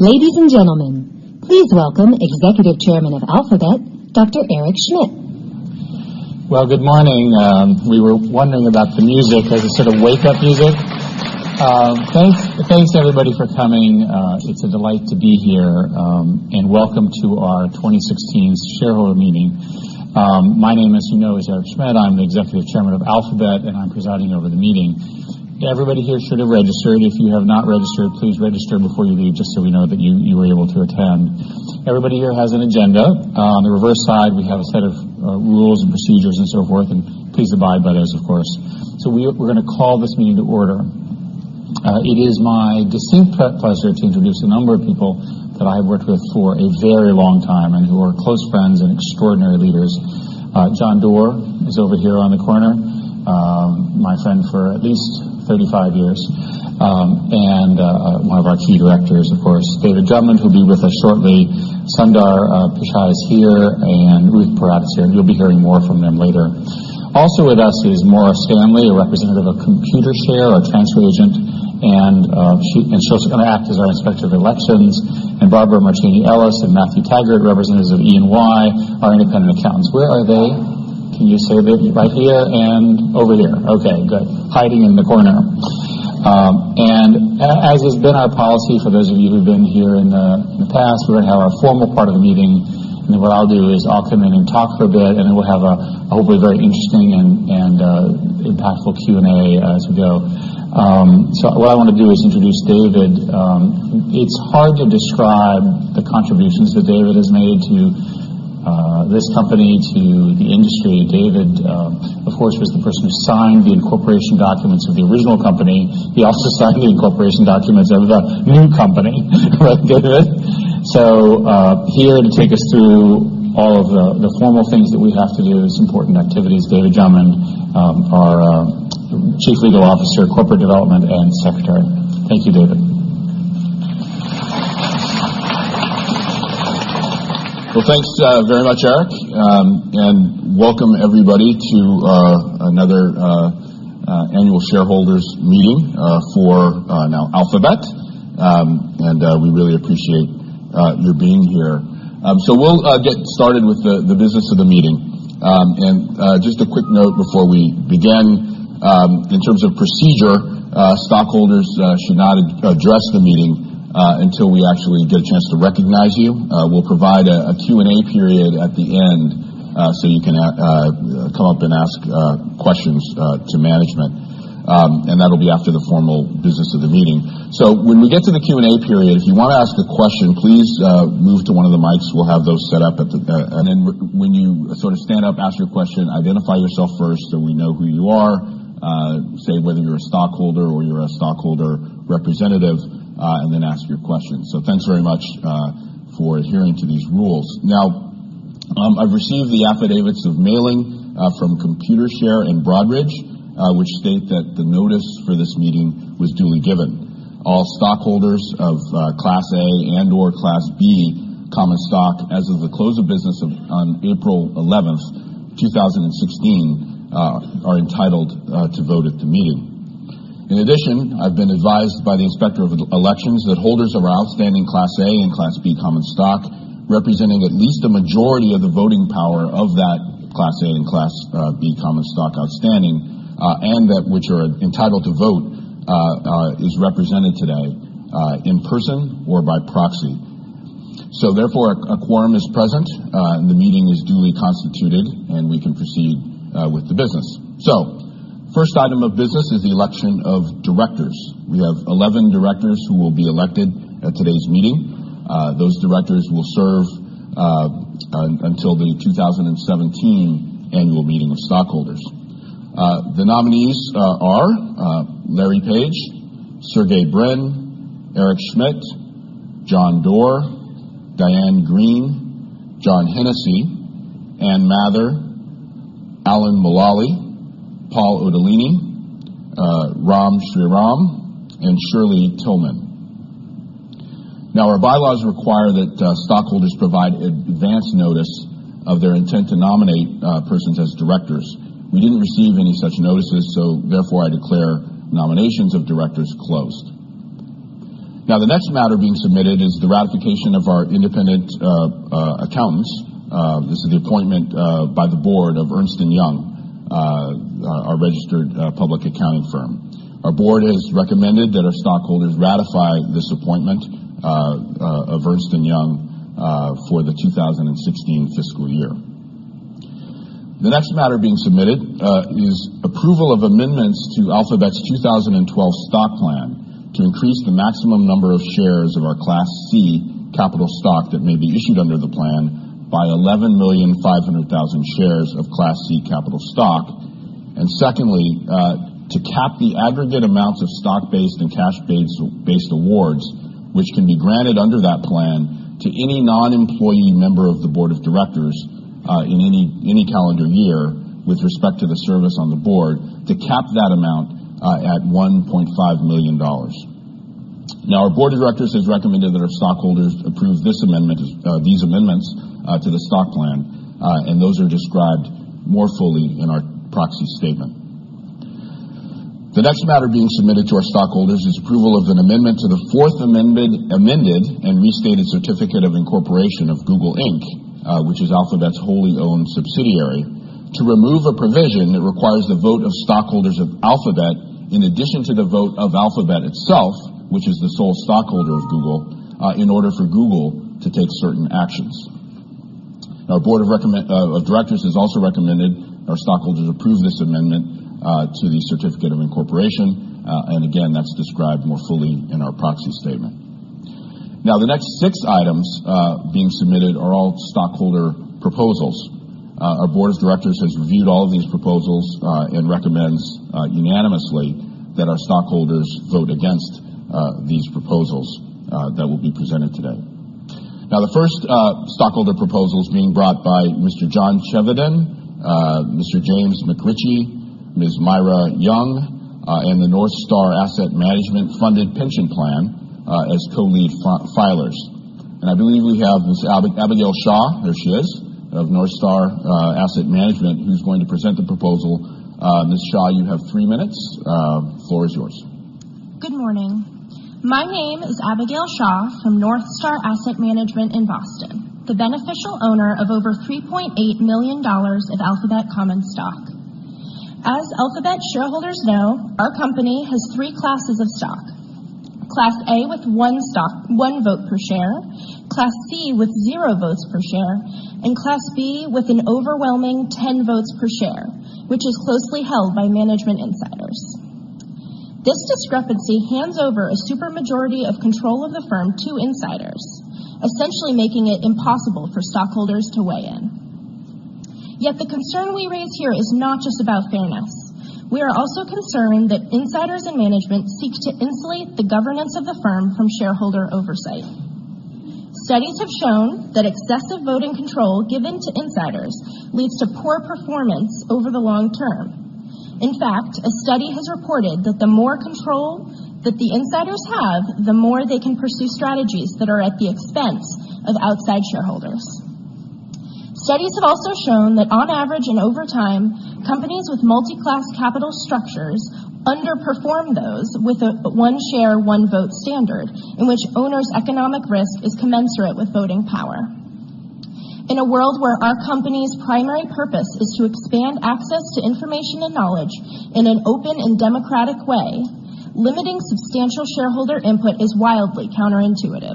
Ladies and gentlemen, please welcome Executive Chairman of Alphabet, Dr. Eric Schmidt. Good morning. We were wondering about the music as a sort of wake-up music. Thanks, everybody, for coming. It's a delight to be here, and welcome to our 2016 shareholder meeting. My name, as you know, is Eric Schmidt. I'm the Executive Chairman of Alphabet, and I'm presiding over the meeting. Everybody here should have registered. If you have not registered, please register before you leave, just so we know that you were able to attend. Everybody here has an agenda. On the reverse side, we have a set of rules and procedures and so forth, and please abide by those, of course. We're going to call this meeting to order. It is my distinct pleasure to introduce a number of people that I have worked with for a very long time and who are close friends and extraordinary leaders. John Doerr is over here on the corner, my friend for at least 35 years, and one of our key directors, of course, David Drummond, who will be with us shortly. Sundar Pichai is here, and Ruth Porat is here, and you'll be hearing more from them later. Also with us is Maura Stanley, a representative of Computershare, our transfer agent, and she'll act as our inspector of elections. And Barbara Martini-Ellis and Matthew Taggart, representatives of E&Y, our independent accountants. Where are they? Can you say that? Right here and over here. Okay, good. Hiding in the corner. As has been our policy for those of you who've been here in the past, we're going to have our formal part of the meeting, and then what I'll do is I'll come in and talk for a bit, and then we'll have a hopefully very interesting and impactful Q&A as we go. So what I want to do is introduce David. It's hard to describe the contributions that David has made to this company, to the industry. David, of course, was the person who signed the incorporation documents of the original company. He also signed the incorporation documents of the new company, right, David? So here to take us through all of the formal things that we have to do, it's important activities. David Drummond, our Chief Legal Officer, Corporate Development, and Secretary. Thank you, David. Thanks very much, Eric, and welcome everybody to another annual shareholders meeting for now Alphabet, and we really appreciate your being here. We'll get started with the business of the meeting. Just a quick note before we begin, in terms of procedure, stockholders should not address the meeting until we actually get a chance to recognize you. We'll provide a Q&A period at the end so you can come up and ask questions to management, and that'll be after the formal business of the meeting. When we get to the Q&A period, if you want to ask a question, please move to one of the mics. We'll have those set up at the. Then when you sort of stand up, ask your question, identify yourself first so we know who you are, say whether you're a stockholder or you're a stockholder representative, and then ask your question. Thanks very much for adhering to these rules. Now, I've received the affidavits of mailing from Computershare and Broadridge, which state that the notice for this meeting was duly given. All stockholders of Class A and/or Class B common stock, as of the close of business on April 11th, 2016, are entitled to vote at the meeting. In addition, I've been advised by the inspector of elections that holders of our outstanding Class A and Class B common stock, representing at least a majority of the voting power of that Class A and Class B common stock outstanding, and that which are entitled to vote is represented today in person or by proxy. So therefore, a quorum is present, and the meeting is duly constituted, and we can proceed with the business. So first item of business is the election of directors. We have 11 directors who will be elected at today's meeting. Those directors will serve until the 2017 annual meeting of stockholders. The nominees are Larry Page, Sergey Brin, Eric Schmidt, John Doerr, Diane Greene, John Hennessy, Ann Mather, Alan Mulally, Paul Otellini, Ram Shriram, and Shirley Tilghman. Now, our bylaws require that stockholders provide advance notice of their intent to nominate persons as directors. We didn't receive any such notices, so therefore I declare nominations of directors closed. Now, the next matter being submitted is the ratification of our independent accountants. This is the appointment by the board of Ernst & Young, our registered public accounting firm. Our board has recommended that our stockholders ratify this appointment of Ernst & Young for the 2016 fiscal year. The next matter being submitted is approval of amendments to Alphabet's 2012 stock plan to increase the maximum number of shares of our Class C capital stock that may be issued under the plan by 11,500,000 shares of Class C capital stock, and secondly, to cap the aggregate amounts of stock-based and cash-based awards which can be granted under that plan to any non-employee member of the board of directors in any calendar year with respect to the service on the board, to cap that amount at $1.5 million. Now, our board of directors has recommended that our stockholders approve these amendments to the stock plan, and those are described more fully in our proxy statement. The next matter being submitted to our stockholders is approval of an amendment to the Fourth Amended and Restated Certificate of Incorporation of Google Inc., which is Alphabet's wholly owned subsidiary, to remove a provision that requires the vote of stockholders of Alphabet in addition to the vote of Alphabet itself, which is the sole stockholder of Google, in order for Google to take certain actions. Our board of directors has also recommended our stockholders approve this amendment to the certificate of incorporation, and again, that's described more fully in our proxy statement. Now, the next six items being submitted are all stockholder proposals. Our board of directors has reviewed all of these proposals and recommends unanimously that our stockholders vote against these proposals that will be presented today. Now, the first stockholder proposal is being brought by Mr. John Chevedden, Mr. James McRitchie, Ms. Myra Young, and the NorthStar Asset Management Funded Pension Plan as co-lead filers. And I believe we have Ms. Abigail Shaw, there she is, of NorthStar Asset Management, who's going to present the proposal. Ms. Shaw, you have three minutes. The floor is yours. Good morning. My name is Abigail Shaw from NorthStar Asset Management in Boston, the beneficial owner of over $3.8 million of Alphabet common stock. As Alphabet shareholders know, our company has three classes of stock: Class A with one vote per share, Class C with zero votes per share, and Class B with an overwhelming 10 votes per share, which is closely held by management insiders. This discrepancy hands over a super majority of control of the firm to insiders, essentially making it impossible for stockholders to weigh in. Yet the concern we raise here is not just about fairness. We are also concerned that insiders and management seek to insulate the governance of the firm from shareholder oversight. Studies have shown that excessive voting control given to insiders leads to poor performance over the long term. In fact, a study has reported that the more control that the insiders have, the more they can pursue strategies that are at the expense of outside shareholders. Studies have also shown that, on average and over time, companies with multi-class capital structures underperform those with a one share, one vote standard in which owners' economic risk is commensurate with voting power. In a world where our company's primary purpose is to expand access to information and knowledge in an open and democratic way, limiting substantial shareholder input is wildly counterintuitive.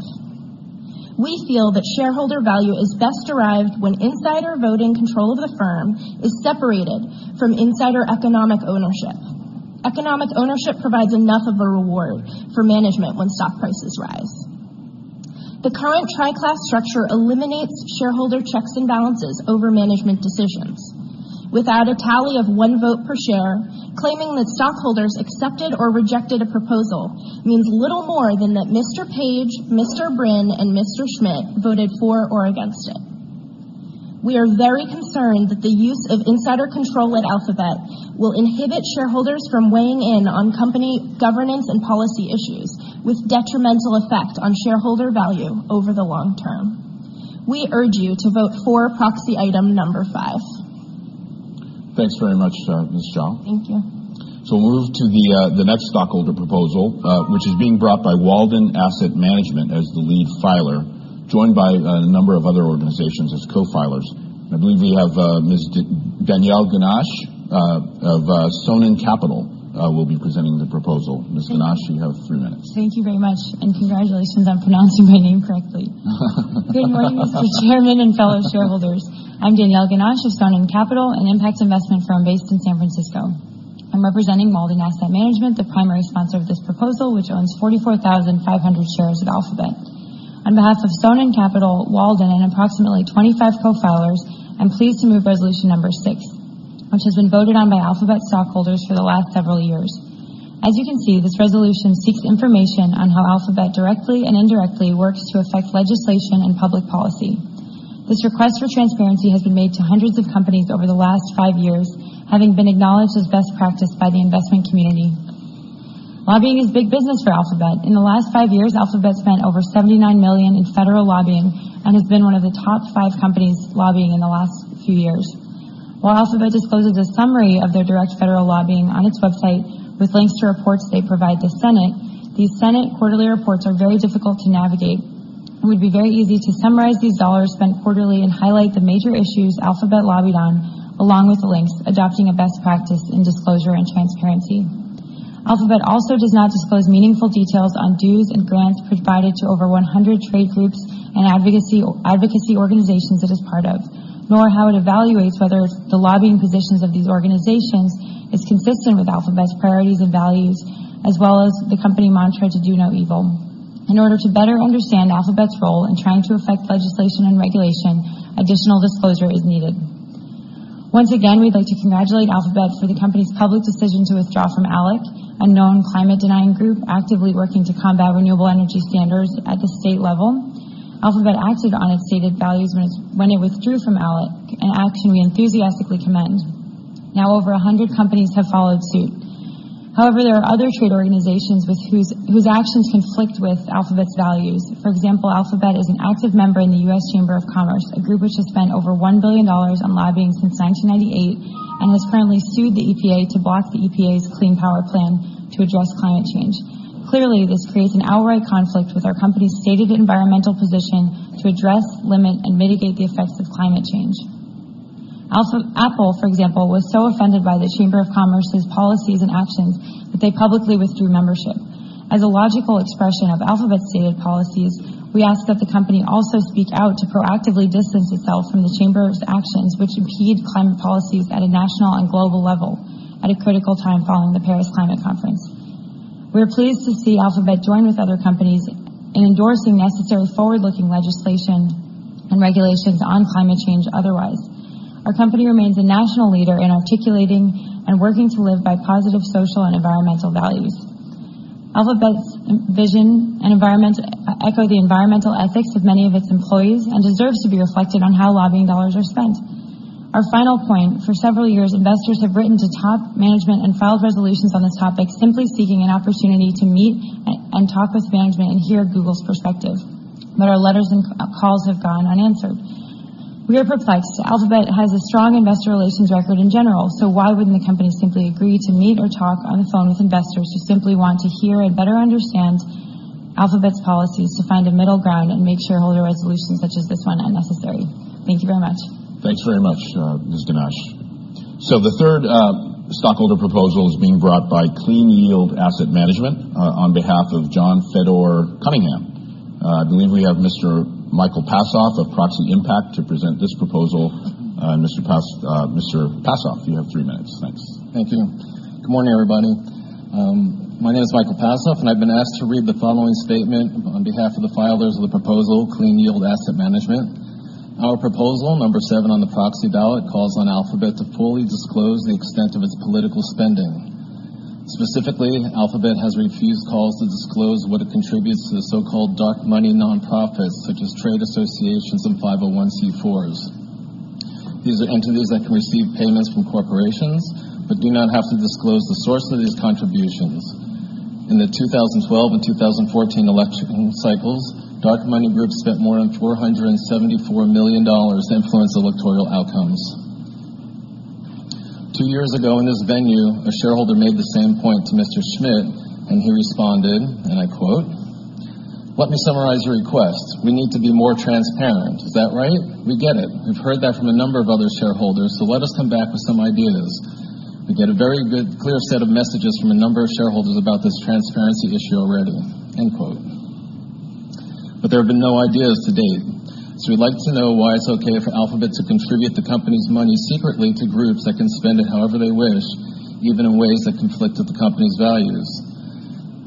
We feel that shareholder value is best derived when insider voting control of the firm is separated from insider economic ownership. Economic ownership provides enough of a reward for management when stock prices rise. The current tri-class structure eliminates shareholder checks and balances over management decisions. Without a tally of one vote per share, claiming that stockholders accepted or rejected a proposal means little more than that Mr. Page, Mr. Brin, and Mr. Schmidt voted for or against it. We are very concerned that the use of insider control at Alphabet will inhibit shareholders from weighing in on company governance and policy issues, with detrimental effect on shareholder value over the long term. We urge you to vote for proxy item number five. Thanks very much, Ms. Shaw. Thank you. So we'll move to the next stockholder proposal, which is being brought by Walden Asset Management as the lead filer, joined by a number of other organizations as co-filers. And I believe we have Ms. Danielle Ginach of Sonen Capital will be presenting the proposal. Ms. Ginach, you have three minutes. Thank you very much, and congratulations on pronouncing my name correctly. Good morning, Mr. Chairman and fellow shareholders. I'm Danielle Ginach of Sonen Capital, an impact investment firm based in San Francisco. I'm representing Walden Asset Management, the primary sponsor of this proposal, which owns 44,500 shares of Alphabet. On behalf of Sonen Capital, Walden, and approximately 25 co-filers, I'm pleased to move resolution number six, which has been voted on by Alphabet stockholders for the last several years. As you can see, this resolution seeks information on how Alphabet directly and indirectly works to affect legislation and public policy. This request for transparency has been made to hundreds of companies over the last five years, having been acknowledged as best practice by the investment community. Lobbying is big business for Alphabet. In the last five years, Alphabet spent over $79 million in federal lobbying and has been one of the top five companies lobbying in the last few years. While Alphabet discloses a summary of their direct federal lobbying on its website with links to reports they provide the Senate, these Senate quarterly reports are very difficult to navigate. It would be very easy to summarize these dollars spent quarterly and highlight the major issues Alphabet lobbied on, along with the links, adopting a best practice in disclosure and transparency. Alphabet also does not disclose meaningful details on dues and grants provided to over 100 trade groups and advocacy organizations it is part of, nor how it evaluates whether the lobbying positions of these organizations are consistent with Alphabet's priorities and values, as well as the company mantra to do no evil. In order to better understand Alphabet's role in trying to affect legislation and regulation, additional disclosure is needed. Once again, we'd like to congratulate Alphabet for the company's public decision to withdraw from ALEC, a known climate-denying group actively working to combat renewable energy standards at the state level. Alphabet acted on its stated values when it withdrew from ALEC, an action we enthusiastically commend. Now, over 100 companies have followed suit. However, there are other trade organizations whose actions conflict with Alphabet's values. For example, Alphabet is an active member in the U.S. Chamber of Commerce, a group which has spent over $1 billion on lobbying since 1998 and has currently sued the EPA to block the EPA's Clean Power Plan to address climate change. Clearly, this creates an outright conflict with our company's stated environmental position to address, limit, and mitigate the effects of climate change. Apple, for example, was so offended by the Chamber of Commerce's policies and actions that they publicly withdrew membership. As a logical expression of Alphabet's stated policies, we ask that the company also speak out to proactively distance itself from the Chamber's actions which impede climate policies at a national and global level at a critical time following the Paris Climate Conference. We're pleased to see Alphabet join with other companies in endorsing necessary forward-looking legislation and regulations on climate change otherwise. Our company remains a national leader in articulating and working to live by positive social and environmental values. Alphabet's vision and environment echo the environmental ethics of many of its employees and deserves to be reflected on how lobbying dollars are spent. Our final point: for several years, investors have written to top management and filed resolutions on the topic, simply seeking an opportunity to meet and talk with management and hear Google's perspective. But our letters and calls have gone unanswered. We are perplexed. Alphabet has a strong investor relations record in general, so why wouldn't the company simply agree to meet or talk on the phone with investors who simply want to hear and better understand Alphabet's policies to find a middle ground and make shareholder resolutions such as this one unnecessary? Thank you very much. Thanks very much, Ms. Ginach. So the third stockholder proposal is being brought by Clean Yield Asset Management on behalf of John Fedor-Cunningham. I believe we have Mr. Michael Passoff of Proxy Impact to present this proposal. Mr. Passoff, you have three minutes. Thanks. Thank you. Good morning, everybody. My name is Michael Passoff, and I've been asked to read the following statement on behalf of the filers of the proposal, Clean Yield Asset Management. Our proposal, number seven on the proxy ballot, calls on Alphabet to fully disclose the extent of its political spending. Specifically, Alphabet has refused calls to disclose what it contributes to the so-called dark money nonprofits, such as trade associations and 501(c)(4)s. These are entities that can receive payments from corporations but do not have to disclose the source of these contributions. In the 2012 and 2014 election cycles, dark money groups spent more than $474 million to influence electoral outcomes. Two years ago in this venue, a shareholder made the same point to Mr. Schmidt, and he responded, and I quote, "Let me summarize your request. We need to be more transparent. Is that right? We get it. We've heard that from a number of other shareholders, so let us come back with some ideas. We get a very clear set of messages from a number of shareholders about this transparency issue already." But there have been no ideas to date, so we'd like to know why it's okay for Alphabet to contribute the company's money secretly to groups that can spend it however they wish, even in ways that conflict with the company's values.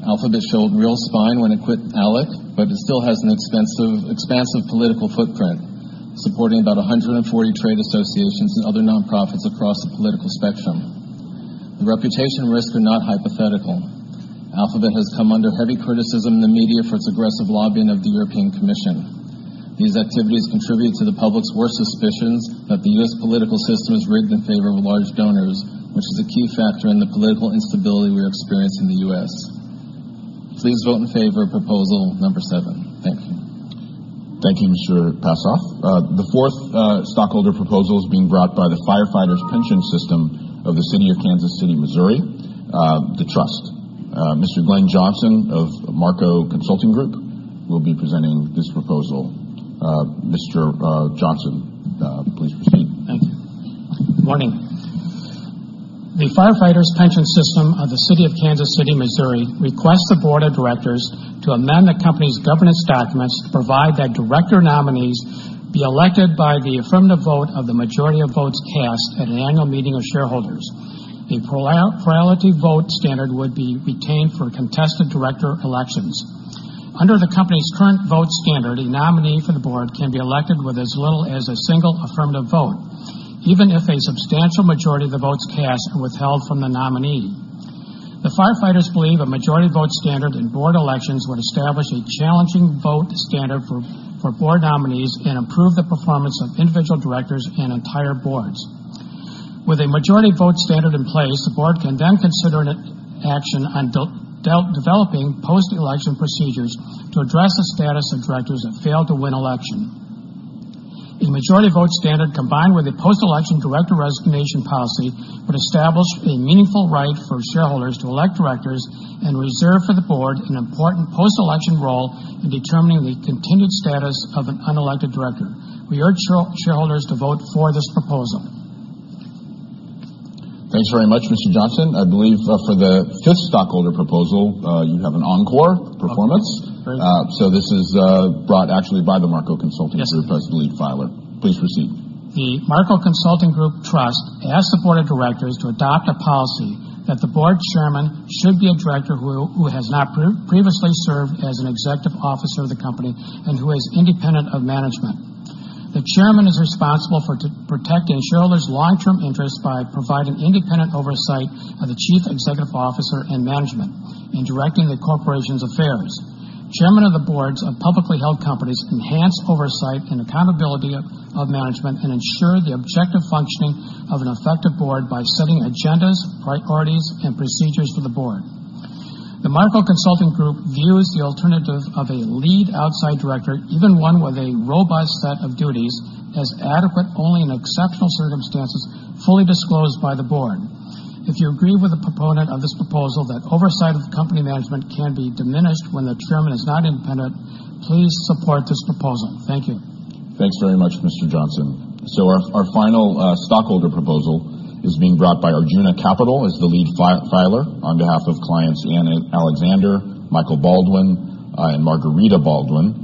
Alphabet showed real spine when it quit ALEC, but it still has an expansive political footprint, supporting about 140 trade associations and other nonprofits across the political spectrum. The reputation risks are not hypothetical. Alphabet has come under heavy criticism in the media for its aggressive lobbying of the European Commission. These activities contribute to the public's worst suspicions that the U.S. Political system is rigged in favor of large donors, which is a key factor in the political instability we are experiencing in the U.S. Please vote in favor of proposal number seven. Thank you. Thank you, Mr. Passoff. The fourth stockholder proposal is being brought by the Firefighters Pension System of the City of Kansas City, Missouri, Trust. Mr. Glenn Johnson of Marco Consulting Group will be presenting this proposal. Mr. Johnson, please proceed. Thank you. Good morning. The Firefighters Pension System of the City of Kansas City, Missouri, requests the board of directors to amend the company's governance documents to provide that director nominees be elected by the affirmative vote of the majority of votes cast at an annual meeting of shareholders. The plurality vote standard would be retained for contested director elections. Under the company's current vote standard, a nominee for the board can be elected with as little as a single affirmative vote, even if a substantial majority of the votes cast are withheld from the nominee. The firefighters believe a majority vote standard in board elections would establish a challenging vote standard for board nominees and improve the performance of individual directors and entire boards. With a majority vote standard in place, the board can then consider an action on developing post-election procedures to address the status of directors that failed to win election. A majority vote standard combined with a post-election director resignation policy would establish a meaningful right for shareholders to elect directors and reserve for the board an important post-election role in determining the contingent status of an unelected director. We urge shareholders to vote for this proposal. Thanks very much, Mr. Johnson. I believe for the fifth stockholder proposal, you have an encore performance. So this is brought actually by the Marco Consulting Group as the lead filer. Please proceed. The Marco Consulting Group Trust asked the board of directors to adopt a policy that the board chairman should be a director who has not previously served as an executive officer of the company and who is independent of management. The chairman is responsible for protecting shareholders' long-term interests by providing independent oversight of the chief executive officer and management in directing the corporation's affairs. Chairmen of the boards of publicly held companies enhance oversight and accountability of management and ensure the objective functioning of an effective board by setting agendas, priorities, and procedures for the board. The Marco Consulting Group views the alternative of a lead outside director, even one with a robust set of duties, as adequate only in exceptional circumstances fully disclosed by the board. If you agree with the proponent of this proposal that oversight of company management can be diminished when the chairman is not independent, please support this proposal. Thank you. Thanks very much, Mr. Johnson, so our final stockholder proposal is being brought by Arjuna Capital as the lead filer on behalf of clients Anne Alexander, Michael Baldwin, and Margarita Baldwin,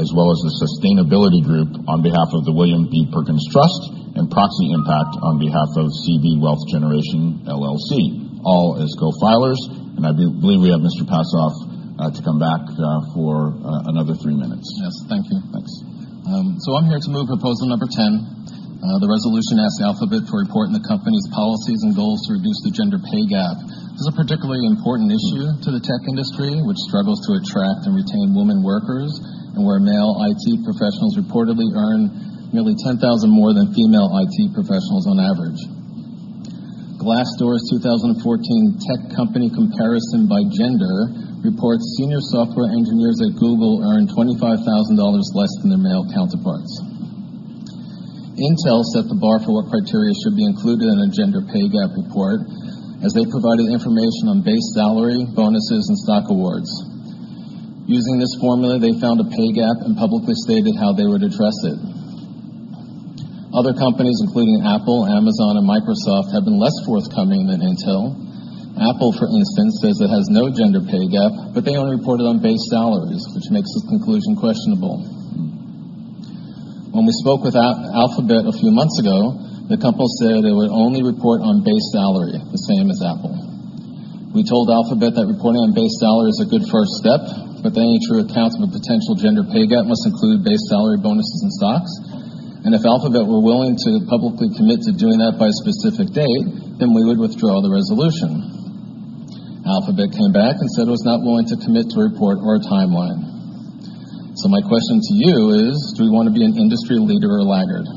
as well as the Sustainability Group on behalf of the William B. Perkins Trust and Proxy Impact on behalf of CV Wealth Generation LLC, all as co-filers, and I believe we have Mr. Passoff to come back for another three minutes. Yes, thank you. Thanks. So I'm here to move proposal number 10, the resolution asked Alphabet to report on the company's policies and goals to reduce the gender pay gap. This is a particularly important issue to the tech industry, which struggles to attract and retain women workers, and where male IT professionals reportedly earn nearly 10,000 more than female IT professionals on average. Glassdoor's 2014 tech company comparison by gender reports senior software engineers at Google earn $25,000 less than their male counterparts. Intel set the bar for what criteria should be included in a gender pay gap report, as they provided information on base salary, bonuses, and stock awards. Using this formula, they found a pay gap and publicly stated how they would address it. Other companies, including Apple, Amazon, and Microsoft, have been less forthcoming than Intel. Apple, for instance, says it has no gender pay gap, but they only reported on base salaries, which makes this conclusion questionable. When we spoke with Alphabet a few months ago, the company said it would only report on base salary, the same as Apple. We told Alphabet that reporting on base salary is a good first step, but any true accounts of a potential gender pay gap must include base salary, bonuses, and stocks. And if Alphabet were willing to publicly commit to doing that by a specific date, then we would withdraw the resolution. Alphabet came back and said it was not willing to commit to a report or a timeline. So my question to you is, do we want to be an industry leader or a laggard?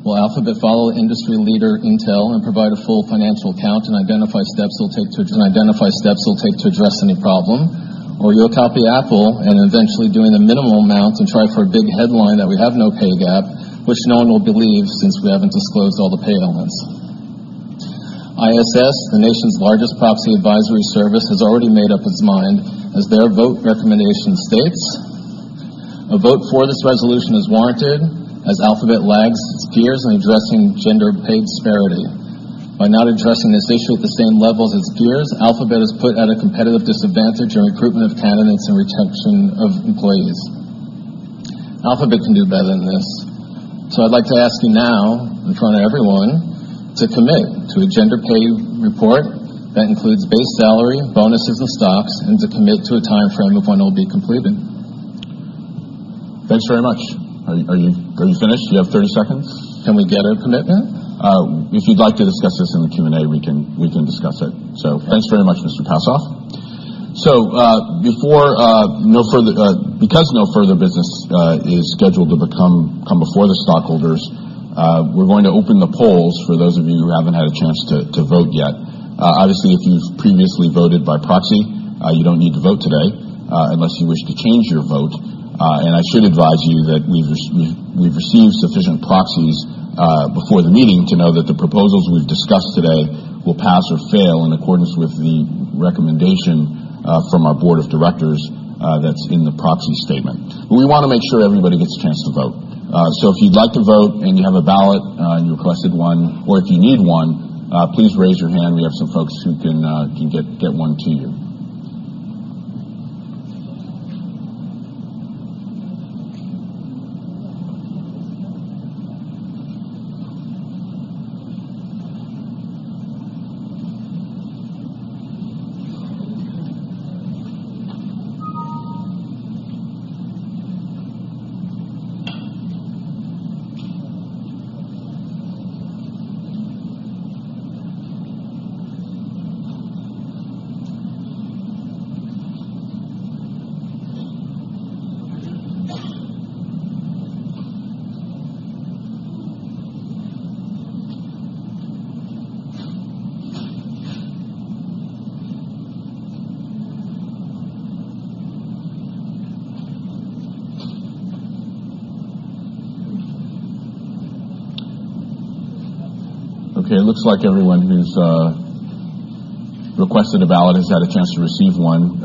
Will Alphabet follow industry leader Intel and provide a full financial account and identify steps it'll take to address any problem, or will you copy Apple and eventually doing the minimal amount and try for a big headline that we have no pay gap, which no one will believe since we haven't disclosed all the pay elements? ISS, the nation's largest proxy advisory service, has already made up its mind, as their vote recommendation states, "A vote for this resolution is warranted, as Alphabet lags its peers in addressing gender pay disparity. By not addressing this issue at the same level as its peers, Alphabet is put at a competitive disadvantage in recruitment of candidates and retention of employees." Alphabet can do better than this. So I'd like to ask you now, in front of everyone, to commit to a gender pay report that includes base salary, bonuses, and stocks, and to commit to a timeframe of when it'll be completed. Thanks very much. Are you finished? You have 30 seconds. Can we get a commitment? If you'd like to discuss this in the Q&A, we can discuss it. So thanks very much, Mr. Passoff. So because no further business is scheduled to come before the stockholders, we're going to open the polls for those of you who haven't had a chance to vote yet. Obviously, if you've previously voted by proxy, you don't need to vote today unless you wish to change your vote. And I should advise you that we've received sufficient proxies before the meeting to know that the proposals we've discussed today will pass or fail in accordance with the recommendation from our board of directors that's in the proxy statement. But we want to make sure everybody gets a chance to vote. So if you'd like to vote and you have a ballot and you requested one, or if you need one, please raise your hand. We have some folks who can get one to you. Okay, it looks like everyone who's requested a ballot has had a chance to receive one.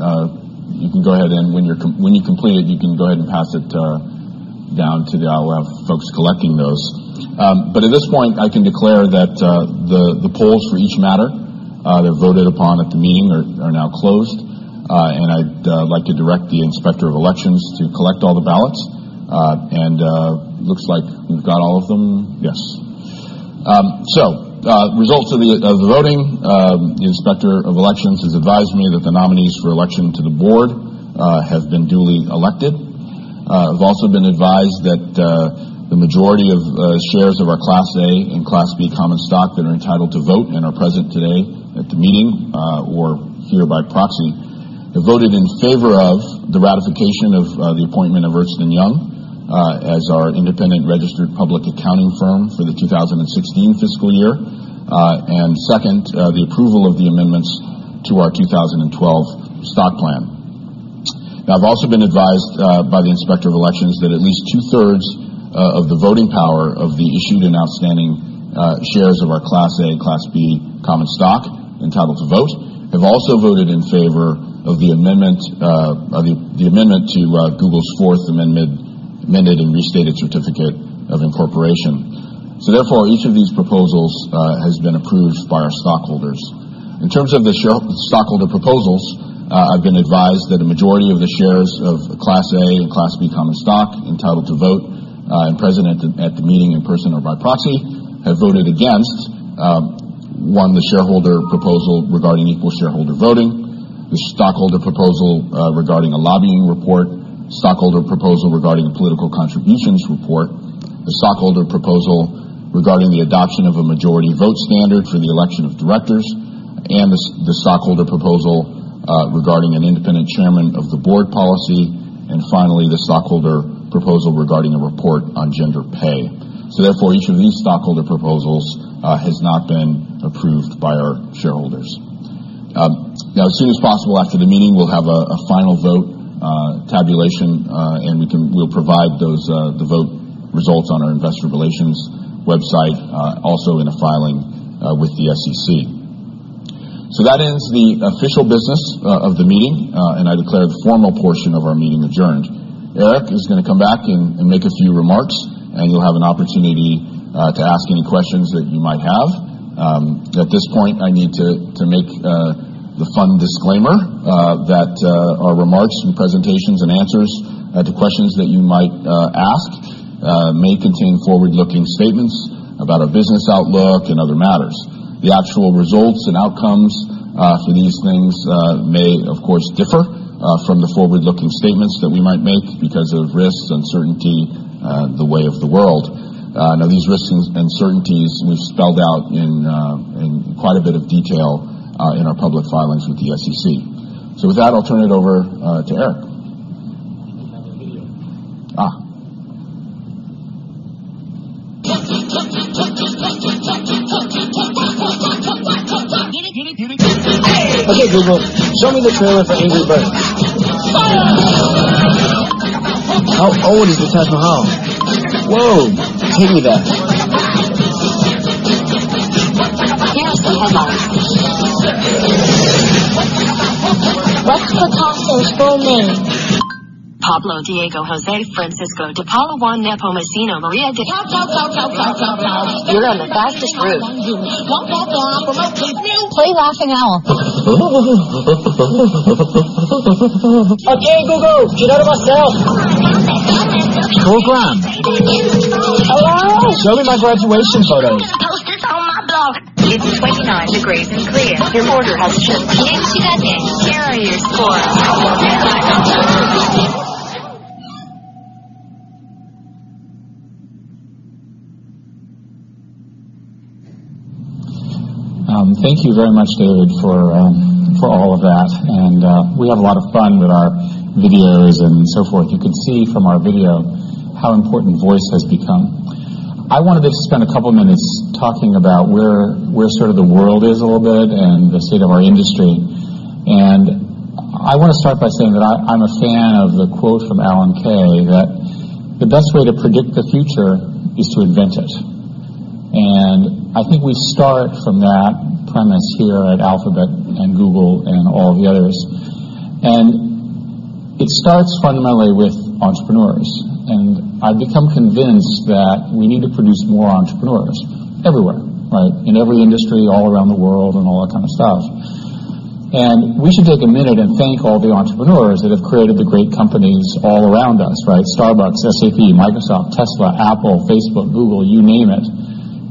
You can go ahead and, when you complete it, you can go ahead and pass it down to the folks collecting those. But at this point, I can declare that the polls for each matter that voted upon at the meeting are now closed, and I'd like to direct the inspector of elections to collect all the ballots, and it looks like we've got all of them. Yes, so results of the voting, the inspector of elections has advised me that the nominees for election to the board have been duly elected. I've also been advised that the majority of shares of our Class A and Class B common stock that are entitled to vote and are present today at the meeting or here by proxy have voted in favor of the ratification of the appointment of Ernst & Young as our independent registered public accounting firm for the 2016 fiscal year, and second, the approval of the amendments to our 2012 stock plan. Now, I've also been advised by the inspector of elections that at least two-thirds of the voting power of the issued and outstanding shares of our Class A, Class B common stock entitled to vote have also voted in favor of the amendment to Google's Fourth Amended and Restated Certificate of Incorporation. So therefore, each of these proposals has been approved by our stockholders. In terms of the stockholder proposals, I've been advised that a majority of the shares of Class A and Class B common stock entitled to vote and present at the meeting in person or by proxy have voted against one, the shareholder proposal regarding equal shareholder voting, the stockholder proposal regarding a lobbying report, the stockholder proposal regarding a political contributions report, the stockholder proposal regarding the adoption of a majority vote standard for the election of directors, and the stockholder proposal regarding an independent chairman of the board policy, and finally, the stockholder proposal regarding a report on gender pay. So therefore, each of these stockholder proposals has not been approved by our shareholders. Now, as soon as possible, after the meeting, we'll have a final vote tabulation, and we'll provide the vote results on our investor relations website, also in a filing with the SEC. So that ends the official business of the meeting, and I declare the formal portion of our meeting adjourned. Eric is going to come back and make a few remarks, and you'll have an opportunity to ask any questions that you might have. At this point, I need to make the fun disclaimer that our remarks and presentations and answers to questions that you might ask may contain forward-looking statements about our business outlook and other matters. The actual results and outcomes for these things may, of course, differ from the forward-looking statements that we might make because of risks, uncertainty, the way of the world. Now, these risks and uncertainties, we've spelled out in quite a bit of detail in our public filings with the SEC. So with that, I'll turn it over to Eric. Okay, Google, show me the trailer for Angry Birds. How old is the Taj Mahal? Whoa, take me there. What's the cocktail's full name? Pablo Diego José Francisco de Paula Juan Nepomuceno María. You're on the fastest route. Play Laughing Owl. Okay, Google, get out of my cell. Hello? Show me my graduation photo. Post-its on my block. It's 29 degrees and clear. Your order has shipped. Thank you very much, David, for all of that. And we have a lot of fun with our videos and so forth. You can see from our video how important voice has become. I wanted to spend a couple of minutes talking about where sort of the world is a little bit and the state of our industry. And I want to start by saying that I'm a fan of the quote from Alan Kay that the best way to predict the future is to invent it. I think we start from that premise here at Alphabet and Google and all the others. It starts fundamentally with entrepreneurs. I've become convinced that we need to produce more entrepreneurs everywhere, right, in every industry all around the world and all that kind of stuff. We should take a minute and thank all the entrepreneurs that have created the great companies all around us, right? Starbucks, SAP, Microsoft, Tesla, Apple, Facebook, Google, you name it,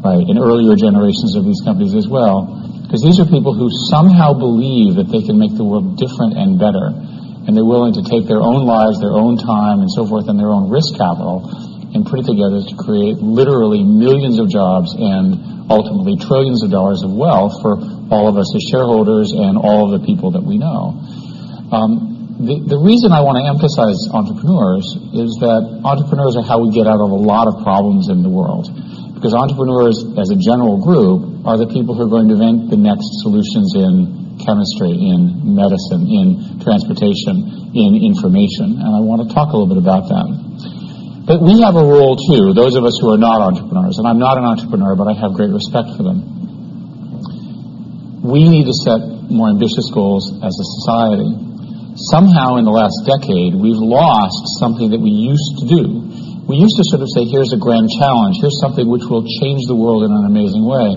right, and earlier generations of these companies as well. Because these are people who somehow believe that they can make the world different and better. And they're willing to take their own lives, their own time, and so forth, and their own risk capital and put it together to create literally millions of jobs and ultimately trillions of dollars of wealth for all of us as shareholders and all of the people that we know. The reason I want to emphasize entrepreneurs is that entrepreneurs are how we get out of a lot of problems in the world. Because entrepreneurs, as a general group, are the people who are going to invent the next solutions in chemistry, in medicine, in transportation, in information. And I want to talk a little bit about that. But we have a role too, those of us who are not entrepreneurs. And I'm not an entrepreneur, but I have great respect for them. We need to set more ambitious goals as a society. Somehow, in the last decade, we've lost something that we used to do. We used to sort of say, "Here's a grand challenge. Here's something which will change the world in an amazing way."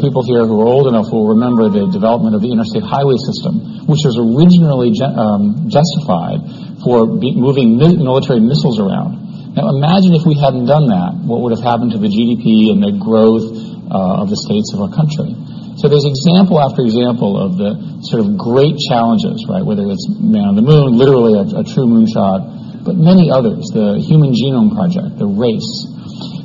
People here who are old enough will remember the development of the interstate highway system, which was originally justified for moving military missiles around. Now, imagine if we hadn't done that, what would have happened to the GDP and the growth of the states of our country? So there's example after example of the sort of great challenges, right, whether it's man on the moon, literally a true moonshot, but many others, the Human Genome Project, the race.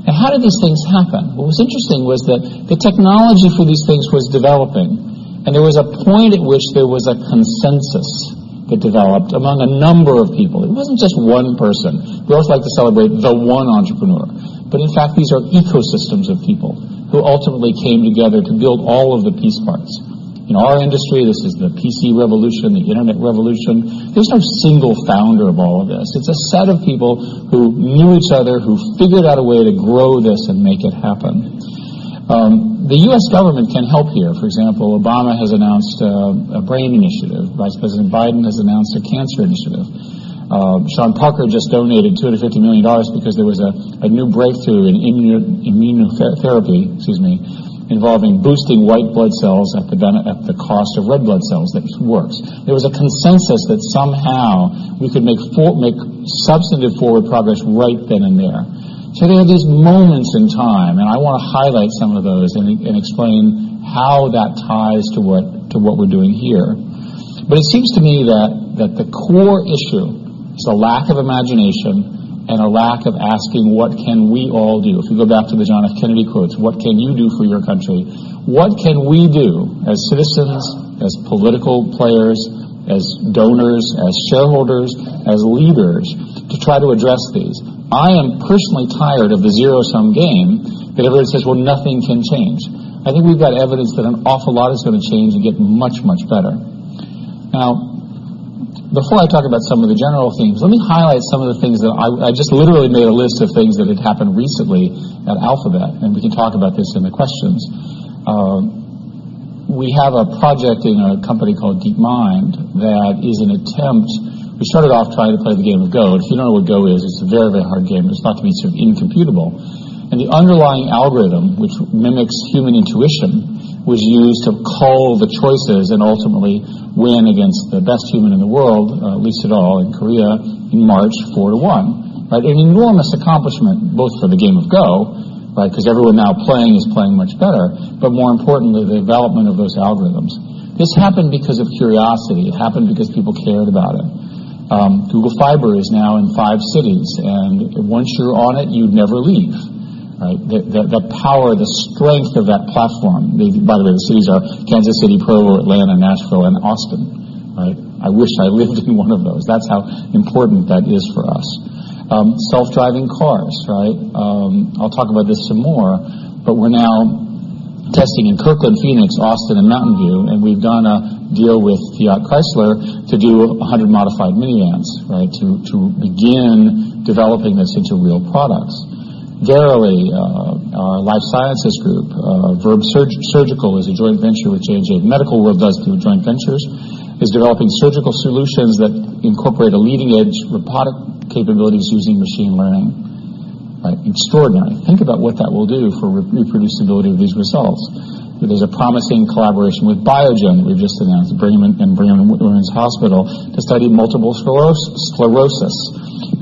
And how did these things happen? What was interesting was that the technology for these things was developing. And there was a point at which there was a consensus that developed among a number of people. It wasn't just one person. We always like to celebrate the one entrepreneur. But in fact, these are ecosystems of people who ultimately came together to build all of the piece parts. In our industry, this is the PC Revolution, the Internet Revolution. There's no single founder of all of this. It's a set of people who knew each other, who figured out a way to grow this and make it happen. The U.S. government can help here. For example, Obama has announced a brain initiative. Vice President Biden has announced a cancer initiative. Sean Parker just donated $250 million because there was a new breakthrough in immune therapy, excuse me, involving boosting white blood cells at the cost of red blood cells that works. There was a consensus that somehow we could make substantive forward progress right then and there. So there are these moments in time, and I want to highlight some of those and explain how that ties to what we're doing here. But it seems to me that the core issue is a lack of imagination and a lack of asking, "What can we all do?" If you go back to the John F. Kennedy quotes, "What can you do for your country?" What can we do as citizens, as political players, as donors, as shareholders, as leaders to try to address these? I am personally tired of the zero-sum game that everyone says, "Well, nothing can change." I think we've got evidence that an awful lot is going to change and get much, much better. Now, before I talk about some of the general themes, let me highlight some of the things that I just literally made a list of things that had happened recently at Alphabet, and we can talk about this in the questions. We have a project in a company called DeepMind that is an attempt we started off trying to play the game of Go. If you don't know what Go is, it's a very, very hard game. It's thought to be sort of incomputable. And the underlying algorithm, which mimics human intuition, was used to call the choices and ultimately win against the best human in the world after all in Korea in March, four to one, right? An enormous accomplishment, both for the game of Go, right, because everyone now playing is playing much better, but more importantly, the development of those algorithms. This happened because of curiosity. It happened because people cared about it. Google Fiber is now in five cities. Once you're on it, you never leave, right? The power, the strength of that platform. By the way, the cities are Kansas City, Provo, Atlanta, Nashville, and Austin, right? I wish I lived in one of those. That's how important that is for us. Self-driving cars, right? I'll talk about this some more. We're now testing in Kirkland, Phoenix, Austin, and Mountain View. We've done a deal with Fiat Chrysler to do 100 modified minivans, right, to begin developing this into real products. Verily, our life sciences group, Verb Surgical, is a joint venture which Johnson & Johnson does through joint ventures, is developing surgical solutions that incorporate a leading-edge robotic capabilities using machine learning, right? Extraordinary. Think about what that will do for reproducibility of these results. There's a promising collaboration with Biogen we've just announced and Brigham and Women's Hospital to study multiple sclerosis.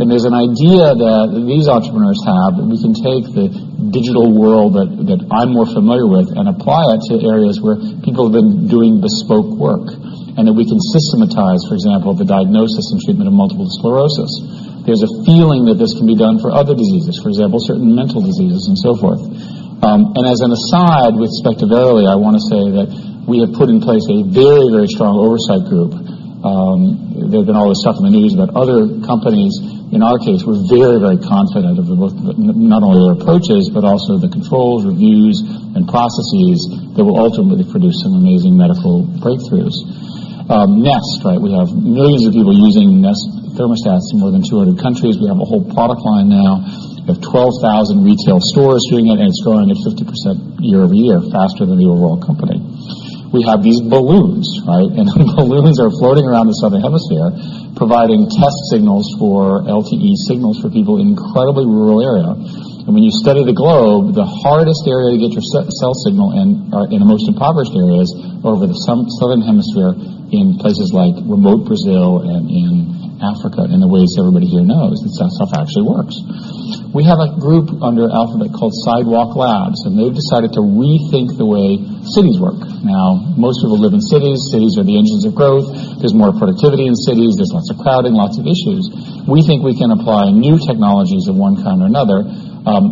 There's an idea that these entrepreneurs have that we can take the digital world that I'm more familiar with and apply it to areas where people have been doing bespoke work and that we can systematize, for example, the diagnosis and treatment of multiple sclerosis. There's a feeling that this can be done for other diseases, for example, certain mental diseases and so forth. As an aside with respect to Verily, I want to say that we have put in place a very, very strong oversight group. There's been all this stuff in the news about other companies. In our case, we're very, very confident of not only the approaches, but also the controls, reviews, and processes that will ultimately produce some amazing medical breakthroughs. Nest, right? We have millions of people using Nest thermostats in more than 200 countries. We have a whole product line now. We have 12,000 retail stores doing it, and it's growing at 50% year over year, faster than the overall company. We have these balloons, right, and balloons are floating around the Southern Hemisphere, providing test signals for LTE signals for people in an incredibly rural area, and when you study the globe, the hardest area to get your cell signal in the most impoverished areas is over the Southern Hemisphere in places like remote Brazil and in Africa, in the ways everybody here knows that stuff actually works. We have a group under Alphabet called Sidewalk Labs, and they've decided to rethink the way cities work. Now, most people live in cities. Cities are the engines of growth. There's more productivity in cities. There's lots of crowding, lots of issues. We think we can apply new technologies of one kind or another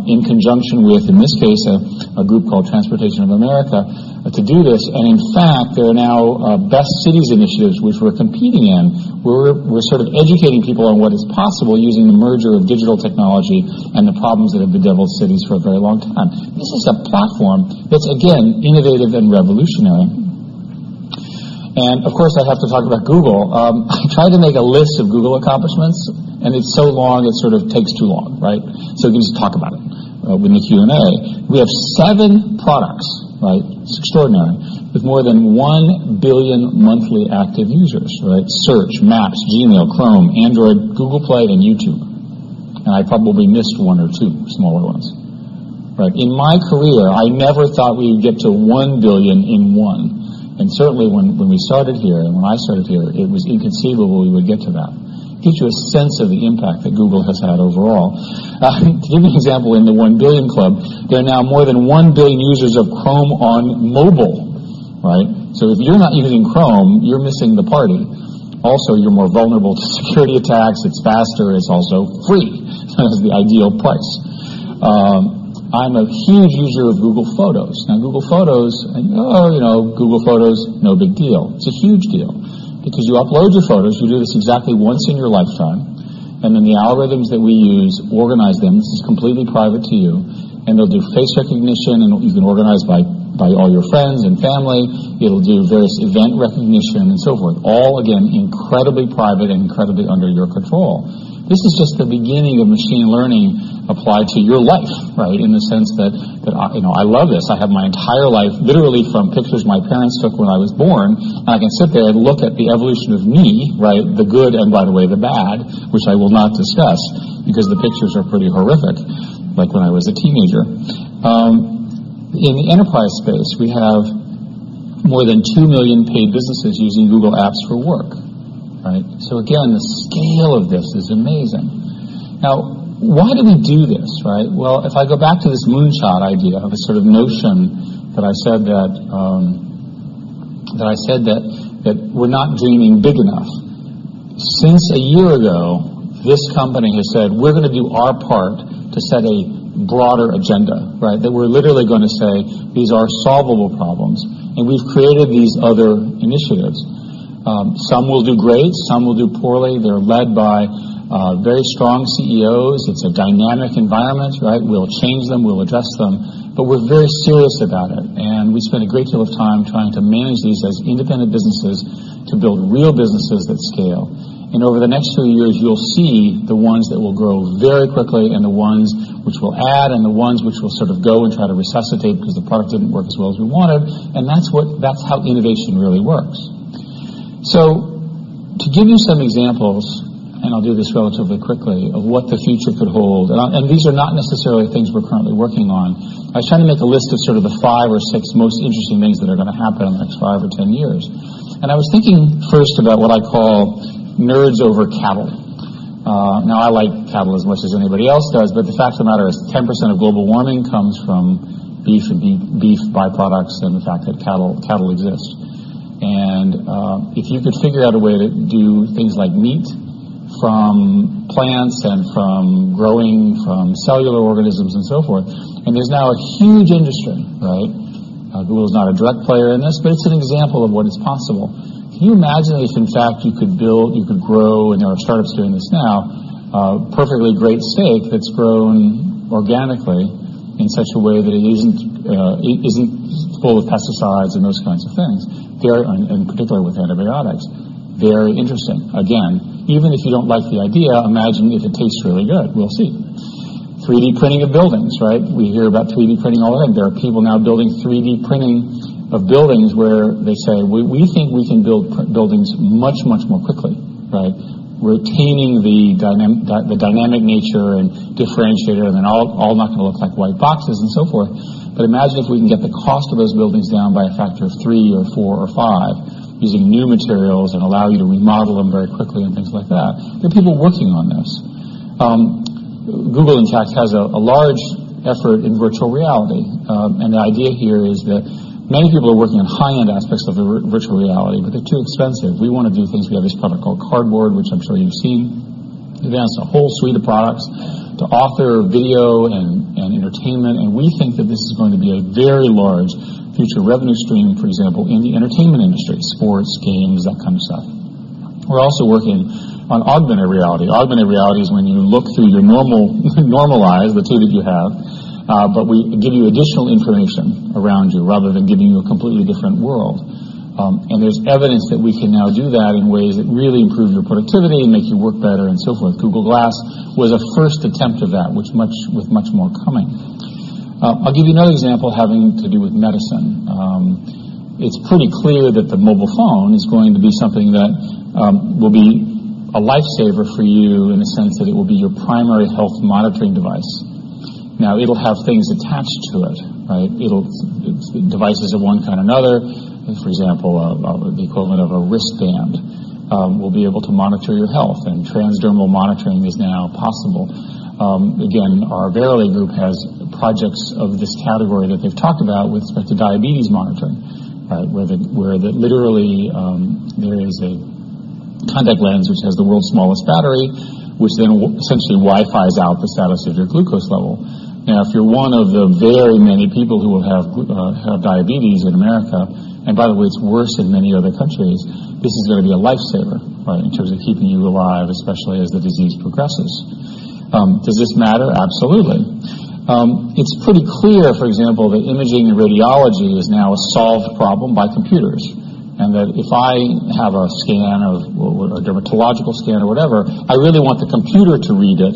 in conjunction with, in this case, a group called Transportation for America to do this. In fact, there are now Best Cities initiatives, which we're competing in. We're sort of educating people on what is possible using the merger of digital technology and the problems that have bedeviled cities for a very long time. This is a platform that's, again, innovative and revolutionary. Of course, I have to talk about Google. I tried to make a list of Google accomplishments, and it's so long, it sort of takes too long, right? We can just talk about it in the Q&A. We have seven products, right? It's extraordinary, with more than 1 billion monthly active users, right? Search, Maps, Gmail, Chrome, Android, Google Play, and YouTube. I probably missed one or two smaller ones, right? In my career, I never thought we would get to one billion in one. Certainly, when we started here, when I started here, it was inconceivable we would get to that. It gives you a sense of the impact that Google has had overall. To give you an example, in the one billion club, there are now more than one billion users of Chrome on mobile, right? If you're not using Chrome, you're missing the party. Also, you're more vulnerable to security attacks. It's faster. It's also free. That's the ideal price. I'm a huge user of Google Photos. Now, Google Photos, oh, you know, Google Photos, no big deal. It's a huge deal because you upload your photos. You do this exactly once in your lifetime. Then the algorithms that we use organize them. This is completely private to you. and they'll do face recognition, and you can organize by all your friends and family. It'll do various event recognition and so forth. All, again, incredibly private and incredibly under your control. This is just the beginning of machine learning applied to your life, right, in the sense that I love this. I have my entire life, literally from pictures my parents took when I was born. And I can sit there and look at the evolution of me, right, the good and, by the way, the bad, which I will not discuss because the pictures are pretty horrific, like when I was a teenager. In the enterprise space, we have more than 2 million paid businesses using Google Apps for Work, right? So again, the scale of this is amazing. Now, why do we do this, right? If I go back to this moonshot idea of a sort of notion that I said that we're not dreaming big enough. Since a year ago, this company has said, "We're going to do our part to set a broader agenda," right? That we're literally going to say, "These are solvable problems." And we've created these other initiatives. Some will do great. Some will do poorly. They're led by very strong CEOs. It's a dynamic environment, right? We'll change them. We'll address them. But we're very serious about it. And we spend a great deal of time trying to manage these as independent businesses to build real businesses that scale. Over the next three years, you'll see the ones that will grow very quickly and the ones which will add and the ones which will sort of go and try to resuscitate because the product didn't work as well as we wanted. And that's how innovation really works. So to give you some examples, and I'll do this relatively quickly, of what the future could hold. And these are not necessarily things we're currently working on. I was trying to make a list of sort of the five or six most interesting things that are going to happen in the next five or 10 years. And I was thinking first about what I call nerds over cattle. Now, I like cattle as much as anybody else does. But the fact of the matter is 10% of global warming comes from beef and beef byproducts and the fact that cattle exists. And if you could figure out a way to do things like meat from plants and from growing from cellular organisms and so forth. And there's now a huge industry, right? Google is not a direct player in this, but it's an example of what is possible. Can you imagine if, in fact, you could build, you could grow, and there are startups doing this now, a perfectly great steak that's grown organically in such a way that it isn't full of pesticides and those kinds of things, and particularly with antibiotics? Very interesting. Again, even if you don't like the idea, imagine if it tastes really good. We'll see. 3D printing of buildings, right? We hear about 3D printing all the time. There are people now building 3D printing of buildings where they say, "We think we can build buildings much, much more quickly," right? Retaining the dynamic nature and differentiator and then all not going to look like white boxes and so forth. But imagine if we can get the cost of those buildings down by a factor of three or four or five using new materials and allow you to remodel them very quickly and things like that. There are people working on this. Google, in fact, has a large effort in virtual reality. And the idea here is that many people are working on high-end aspects of virtual reality, but they're too expensive. We want to do things. We have this product called Cardboard, which I'm sure you've seen. It advances a whole suite of products to author video and entertainment. We think that this is going to be a very large future revenue stream, for example, in the entertainment industry, sports, games, that kind of stuff. We're also working on augmented reality. Augmented reality is when you look through your normal eyes, the two that you have, but we give you additional information around you rather than giving you a completely different world. There's evidence that we can now do that in ways that really improve your productivity and make you work better and so forth. Google Glass was a first attempt of that, with much more coming. I'll give you another example having to do with medicine. It's pretty clear that the mobile phone is going to be something that will be a lifesaver for you in the sense that it will be your primary health monitoring device. Now, it'll have things attached to it, right? Devices of one kind or another, for example, the equivalent of a wristband, will be able to monitor your health. And transdermal monitoring is now possible. Again, our Verily group has projects of this category that they've talked about with respect to diabetes monitoring, right, where literally there is a contact lens which has the world's smallest battery, which then essentially Wi-Fi's out the status of your glucose level. Now, if you're one of the very many people who will have diabetes in America, and by the way, it's worse in many other countries, this is going to be a lifesaver, right, in terms of keeping you alive, especially as the disease progresses. Does this matter? Absolutely. It's pretty clear, for example, that imaging and radiology is now a solved problem by computers. That if I have a scan of a dermatological scan or whatever, I really want the computer to read it,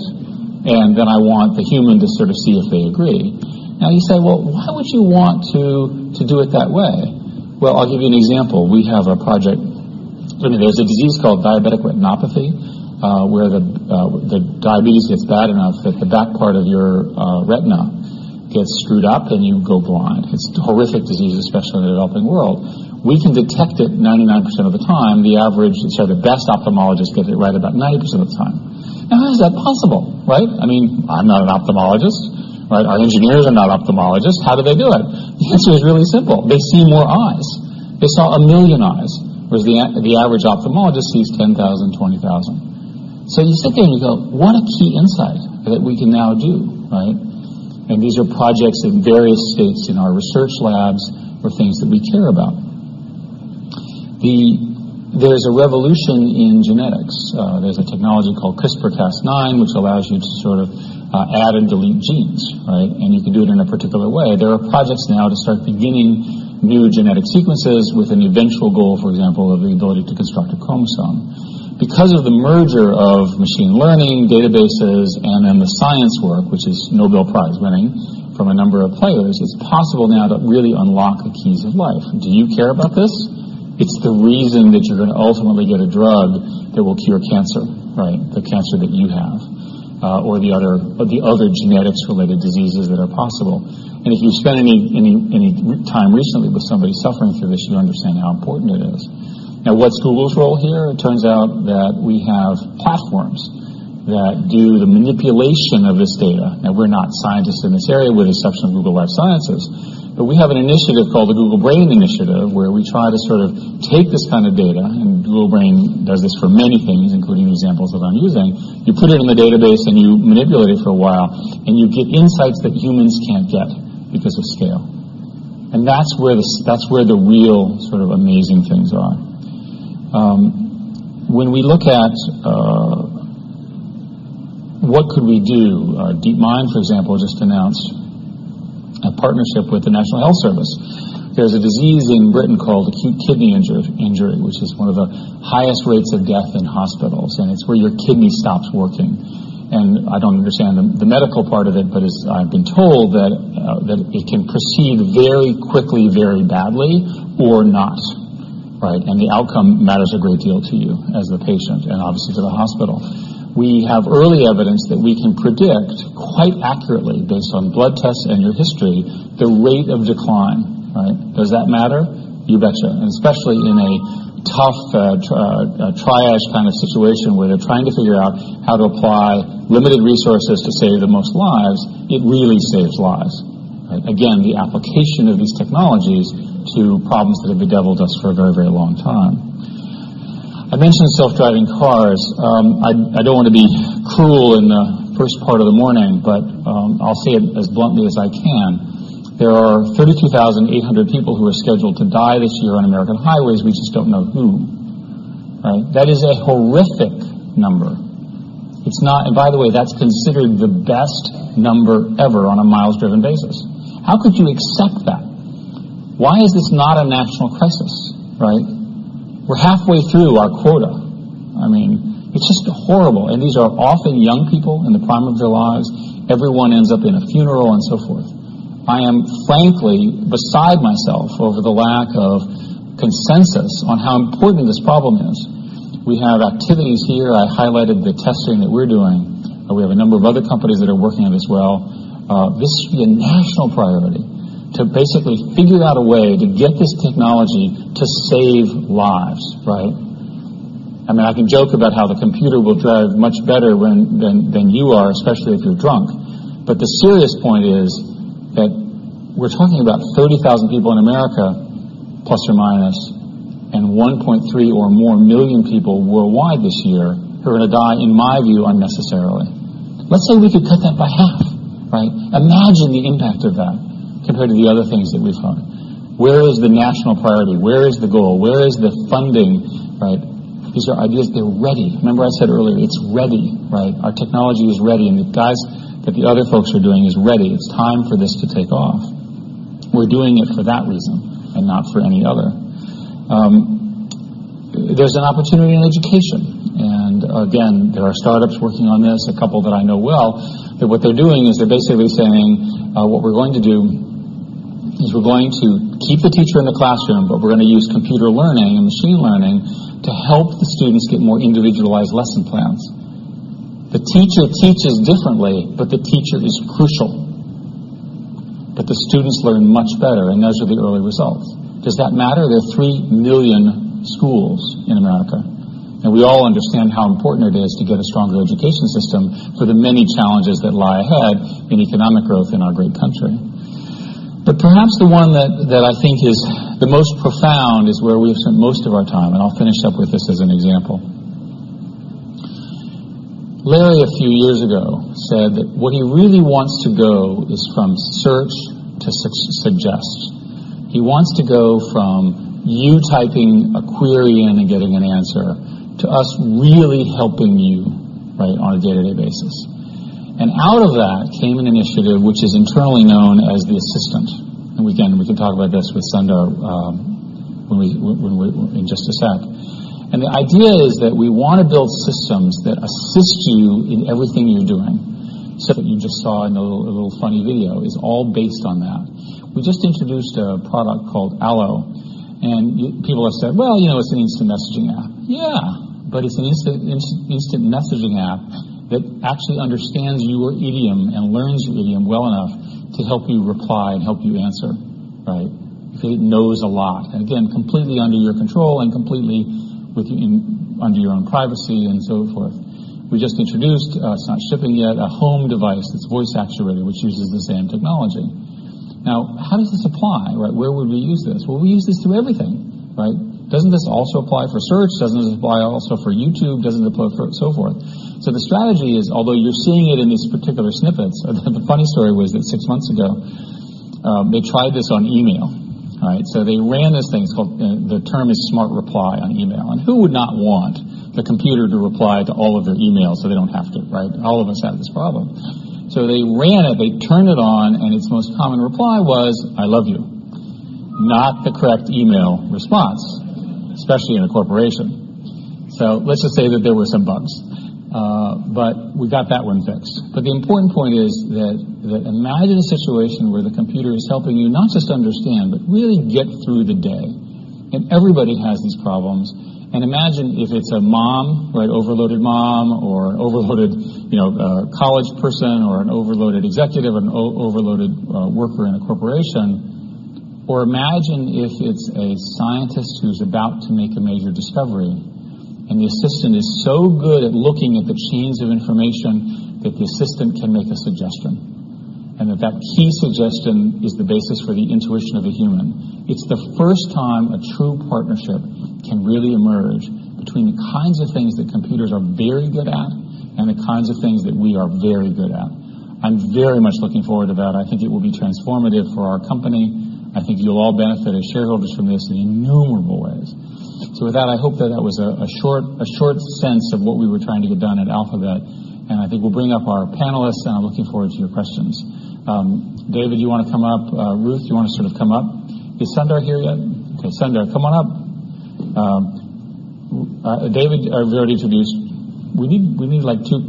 and then I want the human to sort of see if they agree. Now, you say, "Well, why would you want to do it that way?" Well, I'll give you an example. We have a project. There's a disease called diabetic retinopathy where the diabetes gets bad enough that the back part of your retina gets screwed up and you go blind. It's a horrific disease, especially in the developing world. We can detect it 99% of the time. The average, sorry, the best ophthalmologists get it right about 90% of the time. Now, how is that possible, right? I mean, I'm not an ophthalmologist, right? Our engineers are not ophthalmologists. How do they do it? The answer is really simple. They see more eyes. They saw a million eyes, whereas the average ophthalmologist sees 10,000, 20,000. So you sit there and you go, "What a key insight that we can now do," right? And these are projects in various states in our research labs for things that we care about. There's a revolution in genetics. There's a technology called CRISPR-Cas9, which allows you to sort of add and delete genes, right? And you can do it in a particular way. There are projects now to start beginning new genetic sequences with an eventual goal, for example, of the ability to construct a chromosome. Because of the merger of machine learning, databases, and then the science work, which is Nobel Prize-winning from a number of players, it's possible now to really unlock the keys of life. Do you care about this? It's the reason that you're going to ultimately get a drug that will cure cancer, right? The cancer that you have or the other genetics-related diseases that are possible. And if you've spent any time recently with somebody suffering through this, you understand how important it is. Now, what's Google's role here? It turns out that we have platforms that do the manipulation of this data. Now, we're not scientists in this area, with the exception of Google Life Sciences. But we have an initiative called the Google Brain Initiative, where we try to sort of take this kind of data, and Google Brain does this for many things, including examples that I'm using. You put it in the database, and you manipulate it for a while, and you get insights that humans can't get because of scale. And that's where the real sort of amazing things are. When we look at what could we do, our DeepMind, for example, just announced a partnership with the National Health Service. There's a disease in Britain called acute kidney injury, which is one of the highest rates of death in hospitals. And it's where your kidney stops working. And I don't understand the medical part of it, but I've been told that it can proceed very quickly, very badly, or not, right? And the outcome matters a great deal to you as the patient and obviously to the hospital. We have early evidence that we can predict quite accurately, based on blood tests and your history, the rate of decline, right? Does that matter? You betcha. And especially in a tough triage kind of situation where they're trying to figure out how to apply limited resources to save the most lives, it really saves lives, right? Again, the application of these technologies to problems that have bedeviled us for a very, very long time. I mentioned self-driving cars. I don't want to be cruel in the first part of the morning, but I'll say it as bluntly as I can. There are 32,800 people who are scheduled to die this year on American highways. We just don't know who, right? That is a horrific number. And by the way, that's considered the best number ever on a miles-driven basis. How could you accept that? Why is this not a national crisis, right? We're halfway through our quota. I mean, it's just horrible. And these are often young people in the prime of their lives. Everyone ends up in a funeral and so forth. I am frankly beside myself over the lack of consensus on how important this problem is. We have activities here. I highlighted the testing that we're doing. We have a number of other companies that are working on this well. This should be a national priority to basically figure out a way to get this technology to save lives, right? I mean, I can joke about how the computer will drive much better than you are, especially if you're drunk. But the serious point is that we're talking about 30,000 people in America, plus or minus, and 1.3 or more million people worldwide this year who are going to die, in my view, unnecessarily. Let's say we could cut that by half, right? Imagine the impact of that compared to the other things that we've found. Where is the national priority? Where is the goal? Where is the funding, right? These are ideas that are ready. Remember I said earlier, it's ready, right? Our technology is ready. The guys that the other folks are doing is ready. It's time for this to take off. We're doing it for that reason and not for any other. There's an opportunity in education. Again, there are startups working on this, a couple that I know well. What they're doing is they're basically saying, "What we're going to do is we're going to keep the teacher in the classroom, but we're going to use computer learning and machine learning to help the students get more individualized lesson plans." The teacher teaches differently, but the teacher is crucial. The students learn much better, and those are the early results. Does that matter? There are three million schools in America. We all understand how important it is to get a stronger education system for the many challenges that lie ahead in economic growth in our great country. But perhaps the one that I think is the most profound is where we have spent most of our time. And I'll finish up with this as an example. Larry, a few years ago, said that what he really wants to go is from search to suggest. He wants to go from you typing a query in and getting an answer to us really helping you, right, on a day-to-day basis. And out of that came an initiative which is internally known as the Assistant. And again, we can talk about this with Sundar in just a sec. And the idea is that we want to build systems that assist you in everything you're doing. So that you just saw in a little funny video is all based on that. We just introduced a product called Allo, and people have said, "Well, it's an instant messaging app." Yeah, but it's an instant messaging app that actually understands your idiom and learns your idiom well enough to help you reply and help you answer, right? It knows a lot. And again, completely under your control and completely under your own privacy and so forth. We just introduced, it's not shipping yet, a home device that's voice actuated, which uses the same technology. Now, how does this apply, right? Where would we use this? Well, we use this to everything, right? Doesn't this also apply for search? Doesn't this apply also for YouTube? Doesn't it apply for so forth? So the strategy is, although you're seeing it in these particular snippets, the funny story was that six months ago, they tried this on email, right? So they ran this thing. The term is Smart Reply on email. And who would not want the computer to reply to all of their emails so they don't have to, right? All of us have this problem. So they ran it. They turned it on, and its most common reply was, "I love you." Not the correct email response, especially in a corporation. So let's just say that there were some bugs. But we got that one fixed. But the important point is that imagine a situation where the computer is helping you not just understand, but really get through the day. And everybody has these problems. And imagine if it's a mom, right, overloaded mom or an overloaded college person or an overloaded executive or an overloaded worker in a corporation. Or imagine if it's a scientist who's about to make a major discovery, and the assistant is so good at looking at the chains of information that the assistant can make a suggestion. And that key suggestion is the basis for the intuition of a human. It's the first time a true partnership can really emerge between the kinds of things that computers are very good at and the kinds of things that we are very good at. I'm very much looking forward to that. I think it will be transformative for our company. I think you'll all benefit as shareholders from this in innumerable ways. So with that, I hope that was a short sense of what we were trying to get done at Alphabet. And I think we'll bring up our panelists, and I'm looking forward to your questions. David, do you want to come up? Ruth, do you want to sort of come up? Is Sundar here yet? Okay, Sundar, come on up. David, I've already introduced. We need like two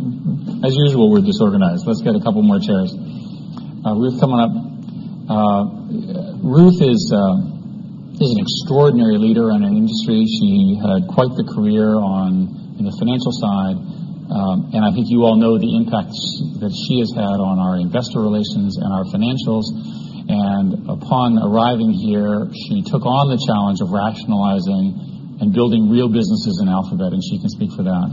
as usual, we're disorganized. Let's get a couple more chairs. Ruth, come on up. Ruth is an extraordinary leader in our industry. She had quite the career on the financial side. And I think you all know the impact that she has had on our investor relations and our financials. And upon arriving here, she took on the challenge of rationalizing and building real businesses in Alphabet, and she can speak for that.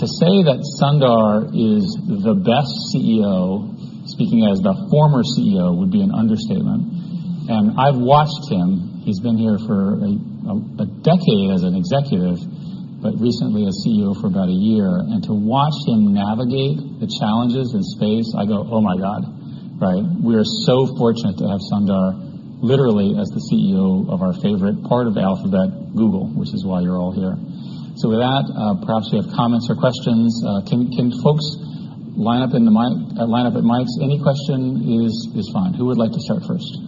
To say that Sundar is the best CEO, speaking as the former CEO, would be an understatement. And I've watched him. He's been here for a decade as an executive, but recently a CEO for about a year. And to watch him navigate the challenges in space, I go, "Oh my God," right? We are so fortunate to have Sundar, literally as the CEO of our favorite part of Alphabet, Google, which is why you're all here. So with that, perhaps we have comments or questions. Can folks line up at mics? Any question is fine. Who would like to start first?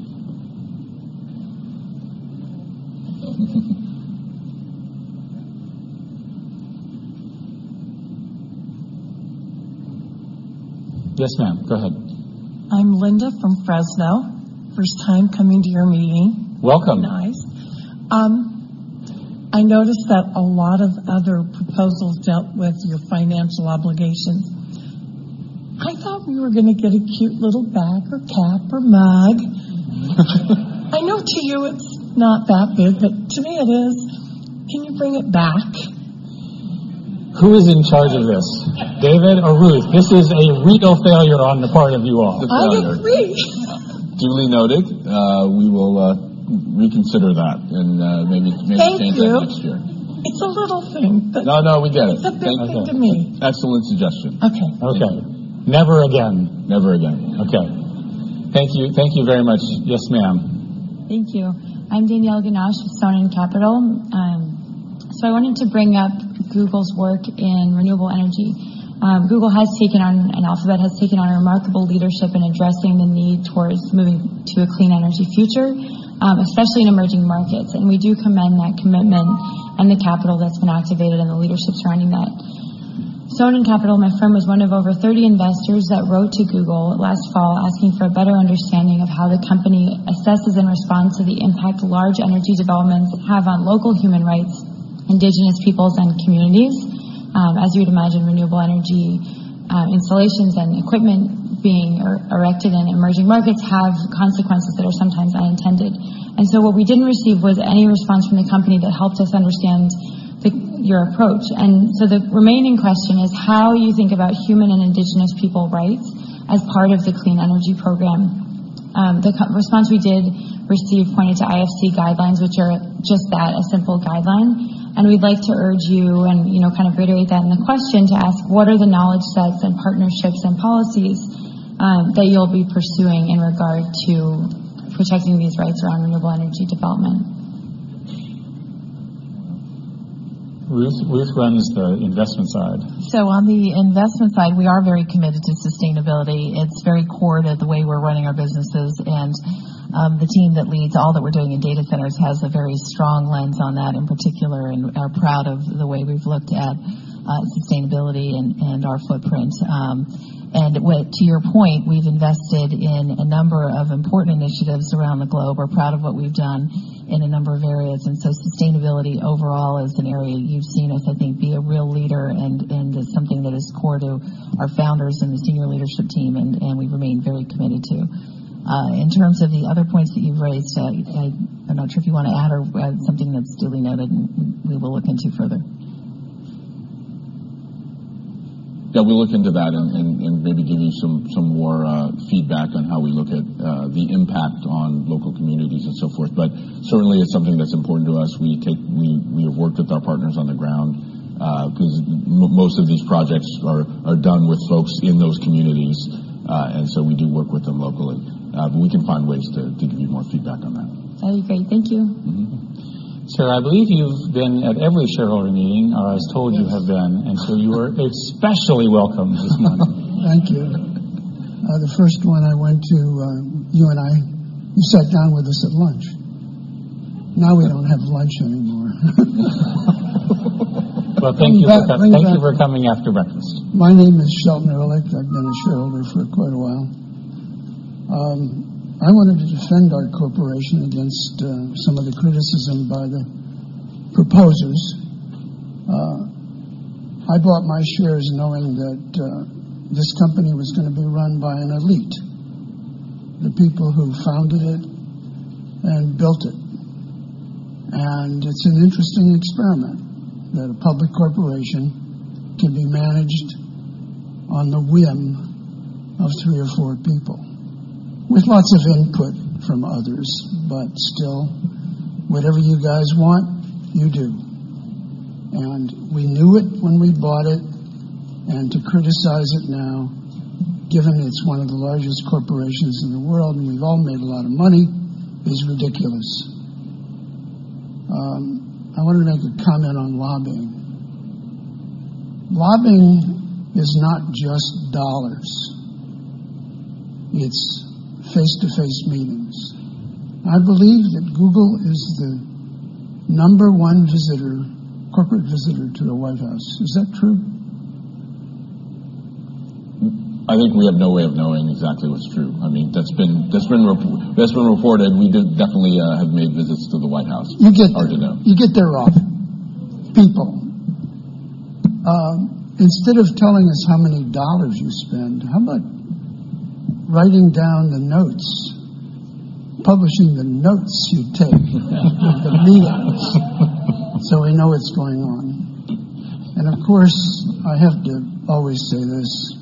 Yes, ma'am. Go ahead. I'm Linda from Fresno. First time coming to your meeting. Welcome. I noticed that a lot of other proposals dealt with your financial obligations. I thought we were going to get a cute little bag or cap or mug. I know to you it's not that big, but to me it is. Can you bring it back? Who is in charge of this? David or Ruth? This is a real failure on the part of you all. [I agree.] Duly noted. We will reconsider that and maybe change that next year. Thank you. It's a little thing, but. No, no, we get it. Thank you. It's a big thing to me. Excellent suggestion. Okay. Okay. Never again. Never again. Okay. Thank you. Thank you very much. Yes, ma'am. Thank you. I'm Danielle Ginach with Sonen Capital. I wanted to bring up Google's work in renewable energy. Google has taken on, and Alphabet has taken on a remarkable leadership in addressing the need towards moving to a clean energy future, especially in emerging markets. We do commend that commitment and the capital that's been activated and the leadership surrounding that. Sonen Capital, my firm, was one of over 30 investors that wrote to Google last fall asking for a better understanding of how the company assesses and responds to the impact large energy developments have on local human rights, indigenous peoples, and communities. As you'd imagine, renewable energy installations and equipment being erected in emerging markets have consequences that are sometimes unintended, and so what we didn't receive was any response from the company that helped us understand your approach, and so the remaining question is how you think about human and indigenous people rights as part of the clean energy program. The response we did receive pointed to IFC guidelines, which are just that, a simple guideline. And we'd like to urge you and kind of reiterate that in the question to ask, what are the knowledge sets and partnerships and policies that you'll be pursuing in regard to protecting these rights around renewable energy development? Ruth, where is the investment side? So on the investment side, we are very committed to sustainability. It's very core to the way we're running our businesses. And the team that leads all that we're doing in data centers has a very strong lens on that in particular and are proud of the way we've looked at sustainability and our footprint. And to your point, we've invested in a number of important initiatives around the globe. We're proud of what we've done in a number of areas. And so sustainability overall is an area you've seen us, I think, be a real leader and something that is core to our founders and the senior leadership team, and we've remained very committed to. In terms of the other points that you've raised, I'm not sure if you want to add something that's duly noted, and we will look into further. Yeah, we'll look into that and maybe give you some more feedback on how we look at the impact on local communities and so forth. But certainly, it's something that's important to us. We have worked with our partners on the ground because most of these projects are done with folks in those communities. And so we do work with them locally. But we can find ways to give you more feedback on that. `That'd be great. Thank you. Sir, I believe you've been at every shareholder meeting, or I was told you have been. So you are especially welcome this month. Thank you. The first one I went to, you and I, you sat down with us at lunch. Now we don't have lunch anymore. Thank you for coming after breakfast. My name is Shelton Ehrlich. I've been a shareholder for quite a while. I wanted to defend our corporation against some of the criticism by the proposers. I bought my shares knowing that this company was going to be run by an elite, the people who founded it and built it. It's an interesting experiment that a public corporation can be managed on the whim of three or four people with lots of input from others. Still, whatever you guys want, you do. We knew it when we bought it. To criticize it now, given it's one of the largest corporations in the world and we've all made a lot of money, is ridiculous. I wanted to make a comment on lobbying. Lobbying is not just dollars. It's face-to-face meetings. I believe that Google is the number one corporate visitor to the White House. Is that true? I think we have no way of knowing exactly what's true. I mean, that's been reported. We definitely have made visits to the White House. You get there often. People. Instead of telling us how many dollars you spend, how about writing down the notes, publishing the notes you take of the meetings so we know what's going on? Of course, I have to always say this.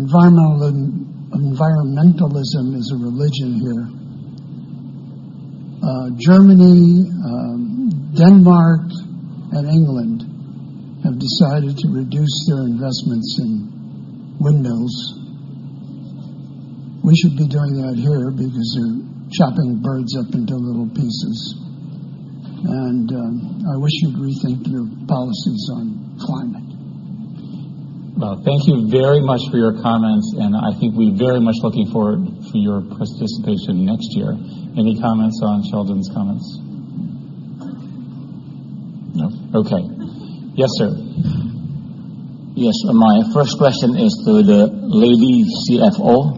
Environmentalism is a religion here. Germany, Denmark, and England have decided to reduce their investments in windmills. We should be doing that here because they're chopping birds up into little pieces. And I wish you'd rethink your policies on climate. Well, thank you very much for your comments. And I think we're very much looking forward to your participation next year. Any comments on Shelton's comments? No? Okay. Yes, sir. Yes. My first question is to the lady CFO.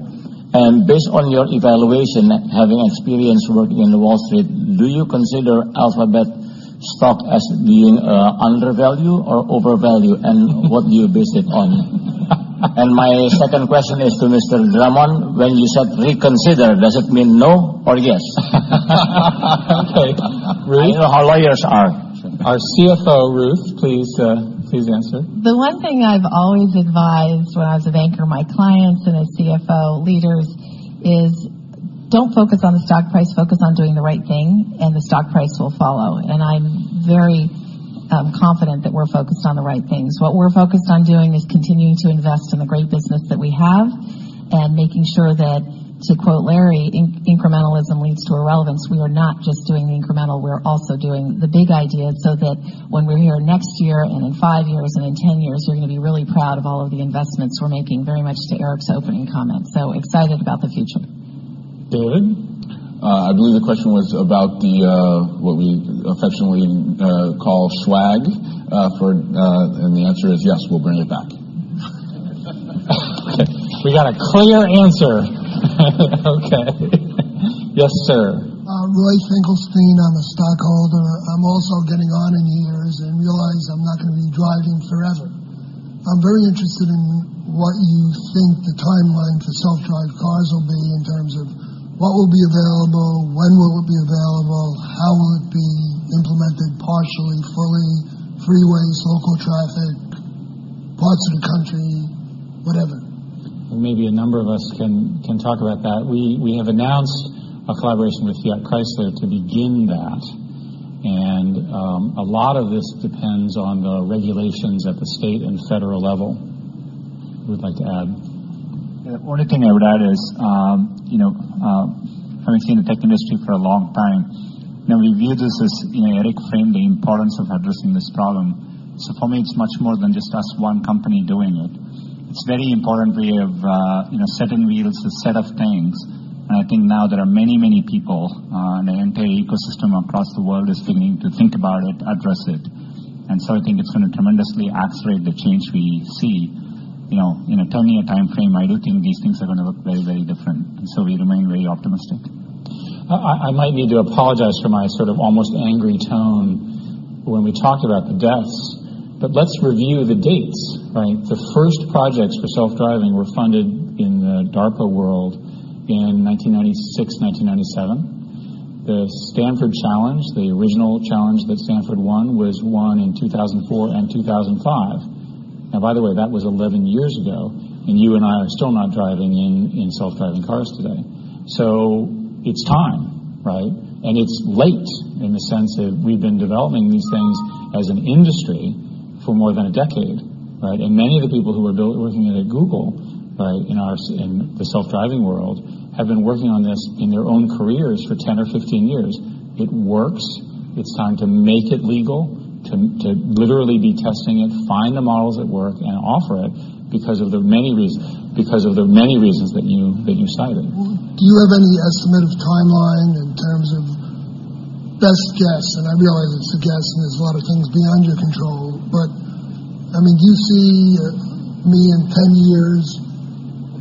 And based on your evaluation, having experience working in Wall Street, do you consider Alphabet stock as being undervalued or overvalued? And what do you base it on? And my second question is to Mr. Drummond. When you said reconsider, does it mean no or yes? Okay. Ruth? I know how lawyers are. Our CFO, Ruth, please answer. The one thing I've always advised when I was a banker my clients and as CFO leaders is don't focus on the stock price. Focus on doing the right thing, and the stock price will follow. And I'm very confident that we're focused on the right things. What we're focused on doing is continuing to invest in the great business that we have and making sure that, to quote Larry, incrementalism leads to irrelevance. We are not just doing the incremental. We're also doing the big idea so that when we're here next year and in five years and in ten years, you're going to be really proud of all of the investments we're making, very much to Eric's opening comments. So excited about the future. David? I believe the question was about what we affectionately call swag. And the answer is yes, we'll bring it back. Okay. We got a clear answer. Okay. Yes, sir. I'm Roy Finkelstein. I'm a stockholder. I'm also getting on in the years and realize I'm not going to be driving forever. I'm very interested in what you think the timeline for self-drive cars will be in terms of what will be available, when will it be available, how will it be implemented partially, fully, freeways, local traffic, parts of the country, whatever and maybe a number of us can talk about that. We have announced a collaboration with Fiat Chrysler to begin that, and a lot of this depends on the regulations at the state and federal level. Who would like to add? The only thing I would add is, having seen the tech industry for a long time, nobody views this as Eric framed the importance of addressing this problem, so for me, it's much more than just us one company doing it. It's very important we have set the wheels in motion a set of things. And I think now there are many, many people, and the entire ecosystem across the world is beginning to think about it, address it. And so I think it's going to tremendously accelerate the change we see. In a 10-year timeframe, I do think these things are going to look very, very different. And so we remain very optimistic. I might need to apologize for my sort of almost angry tone when we talked about the deaths. But let's review the dates, right? The first projects for self-driving were funded in the DARPA world in 1996, 1997. The Stanford Challenge, the original challenge that Stanford won, was won in 2004 and 2005. Now, by the way, that was 11 years ago. And you and I are still not driving in self-driving cars today. So it's time, right? It's late in the sense that we've been developing these things as an industry for more than a decade, right? And many of the people who are working at Google, right, in the self-driving world, have been working on this in their own careers for 10 or 15 years. It works. It's time to make it legal, to literally be testing it, find the models that work, and offer it because of the many reasons that you cited. Do you have any estimate of timeline in terms of best guess? And I realize it's a guess and there's a lot of things beyond your control. But I mean, do you see me in 10 years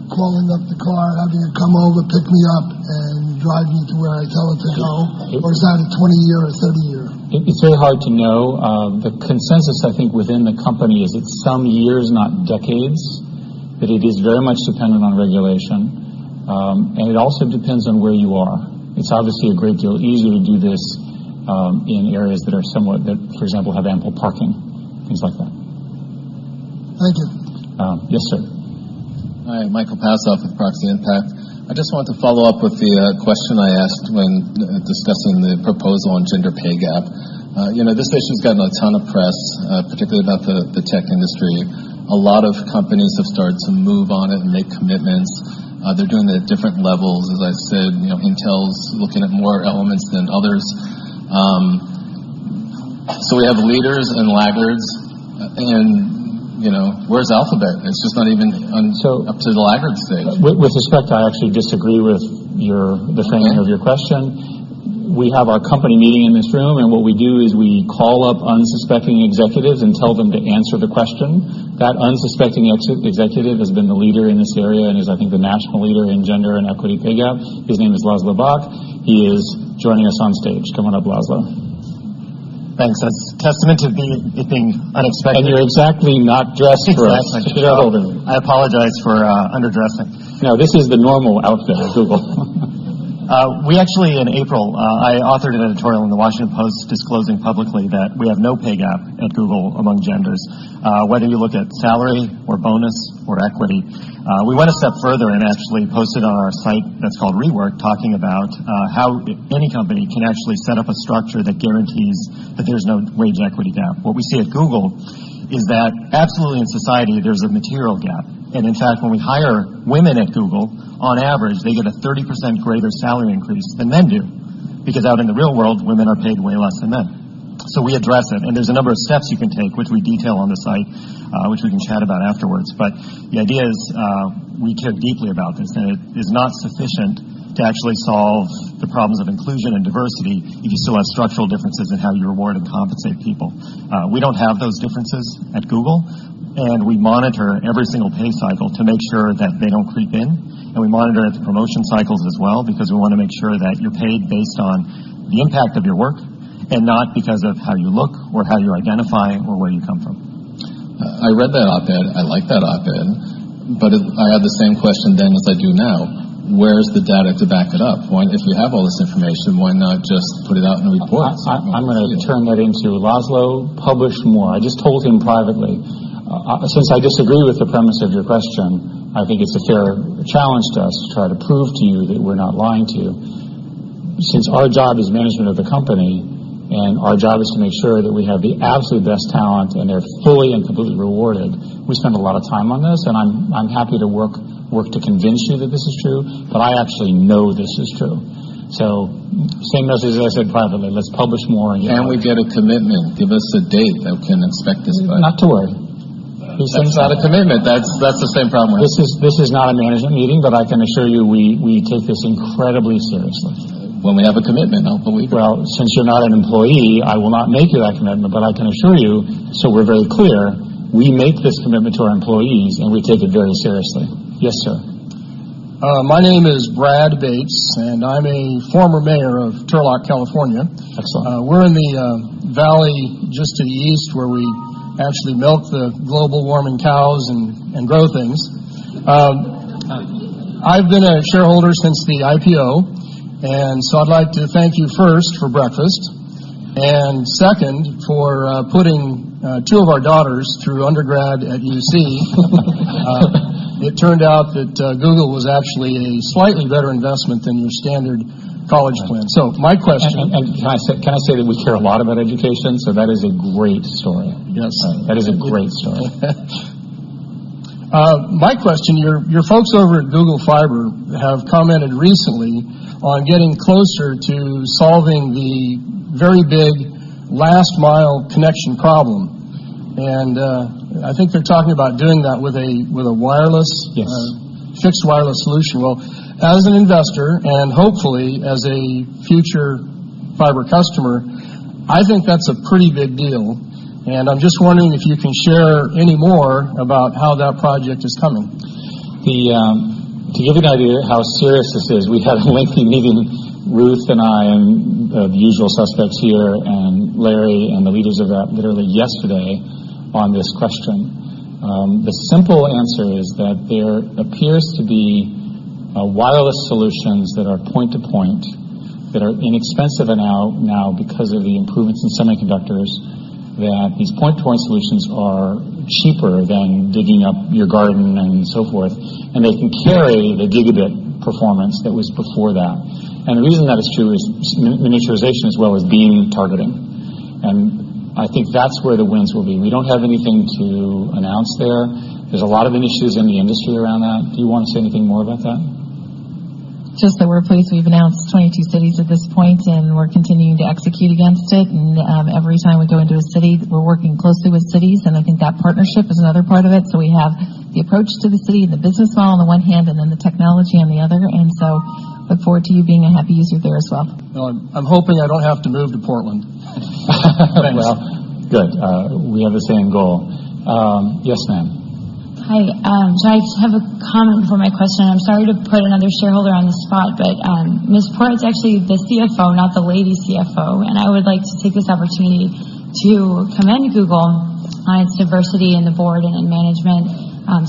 calling up the car, having it come over, pick me up, and drive me to where I tell it to go, or is that a 20-year or 30-year? It's very hard to know. The consensus, I think, within the company is it's some years, not decades, but it is very much dependent on regulation. And it also depends on where you are. It's obviously a great deal easier to do this in areas that are somewhat, for example, have ample parking, things like that. Thank you. Yes, sir. Hi. Michael Passoff with Proxy Impact. I just wanted to follow up with the question I asked when discussing the proposal on gender pay gap. This issue has gotten a ton of press, particularly about the tech industry. A lot of companies have started to move on it and make commitments. They're doing it at different levels. As I said, Intel's looking at more elements than others. So we have leaders and laggards. And where's Alphabet? It's just not even up to the laggard stage. With respect, I actually disagree with the framing of your question. We have our company meeting in this room, and what we do is we call up unsuspecting executives and tell them to answer the question. That unsuspecting executive has been the leader in this area and is, I think, the national leader in gender equity and pay gap. His name is Laszlo Bock. He is joining us on stage. Come on up, Laszlo. Thanks. That's a testament to being unexpected, [and you're exactly not dressed for us.] I apologize for underdressing. No, this is the normal outfit at Google. We actually, in April, I authored an editorial in The Washington Post disclosing publicly that we have no pay gap at Google among genders, whether you look at salary or bonus or equity. We went a step further and actually posted on our site that's called re:Work, talking about how any company can actually set up a structure that guarantees that there's no wage equity gap. What we see at Google is that absolutely in society, there's a material gap. And in fact, when we hire women at Google, on average, they get a 30% greater salary increase than men do because out in the real world, women are paid way less than men. So we address it. And there's a number of steps you can take, which we detail on the site, which we can chat about afterwards. But the idea is we care deeply about this. And it is not sufficient to actually solve the problems of inclusion and diversity if you still have structural differences in how you reward and compensate people. We don't have those differences at Google. And we monitor every single pay cycle to make sure that they don't creep in. And we monitor at the promotion cycles as well because we want to make sure that you're paid based on the impact of your work and not because of how you look or how you identify or where you come from. I read that op-ed. I like that op-ed. But I have the same question then as I do now. Where's the data to back it up? If we have all this information, why not just put it out in the report? I'm going to turn that into, Laszlo, publish more. I just told him privately. Since I disagree with the premise of your question, I think it's a fair challenge to us to try to prove to you that we're not lying to you. Since our job is management of the company and our job is to make sure that we have the absolute best talent and they're fully and completely rewarded, we spend a lot of time on this, and I'm happy to work to convince you that this is true, but I actually know this is true, so same message as I said privately. Let's publish more and get out. Can we get a commitment? Give us a date that we can expect this by. Not to worry. He sends out a commitment. That's the same problem we have. This is not a management meeting, but I can assure you we take this incredibly seriously. When we have a commitment, hopefully, well, since you're not an employee, I will not make you that commitment. But I can assure you, so we're very clear, we make this commitment to our employees and we take it very seriously. Yes, sir. My name is Brad Bates, and I'm a former mayor of Turlock, California. We're in the valley just to the east where we actually milk the global warming cows and grow things. I've been a shareholder since the IPO. And so I'd like to thank you first for breakfast and second for putting two of our daughters through undergrad at UC. It turned out that Google was actually a slightly better investment than your standard college plan. So my question. Can I say that we care a lot about education? So that is a great story. That is a great story. My question, your folks over at Google Fiber have commented recently on getting closer to solving the very big last-mile connection problem. And I think they're talking about doing that with a fixed wireless solution. Well, as an investor and hopefully as a future fiber customer, I think that's a pretty big deal. And I'm just wondering if you can share any more about how that project is coming. To give you an idea of how serious this is, we had a lengthy meeting, Ruth and I and the usual suspects here and Larry and the leaders of that literally yesterday on this question. The simple answer is that there appears to be wireless solutions that are point-to-point that are inexpensive now because of the improvements in semiconductors that these point-to-point solutions are cheaper than digging up your garden and so forth. And they can carry the gigabit performance that was before that. And the reason that is true is miniaturization as well as beam targeting. And I think that's where the wins will be. We don't have anything to announce there. There's a lot of initiatives in the industry around that. Do you want to say anything more about that? Just that we're pleased we've announced 22 cities at this point, and we're continuing to execute against it. And every time we go into a city, we're working closely with cities. And I think that partnership is another part of it. So we have the approach to the city and the business model on the one hand and then the technology on the other. And so look forward to you being a happy user there as well. I'm hoping I don't have to move to Portland. Thanks. Good. We have the same goal. Yes, ma'am. Hi. So I have a comment before my question. I'm sorry to put another shareholder on the spot, but Ms. Porat is actually the CFO, not the lady CFO. And I would like to take this opportunity to commend Google on its diversity in the board and in management.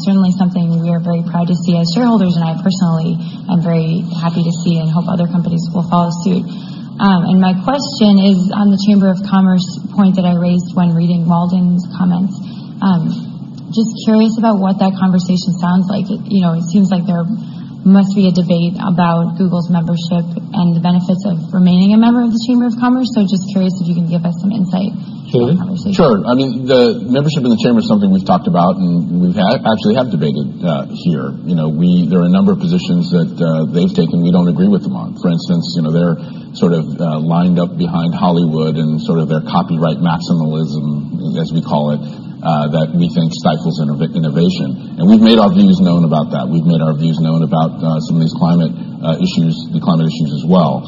Certainly something we are very proud to see as shareholders. And I personally am very happy to see and hope other companies will follow suit. And my question is on the Chamber of Commerce point that I raised when reading Walden's comments. Just curious about what that conversation sounds like. It seems like there must be a debate about Google's membership and the benefits of remaining a member of the Chamber of Commerce. So just curious if you can give us some insight into that conversation. Sure. I mean, the membership in the Chamber is something we've talked about and we've actually debated here. There are a number of positions that they've taken we don't agree with them on. For instance, they're sort of lined up behind Hollywood and sort of their copyright maximalism, as we call it, that we think stifles innovation. And we've made our views known about that. We've made our views known about some of these climate issues, the climate issues as well.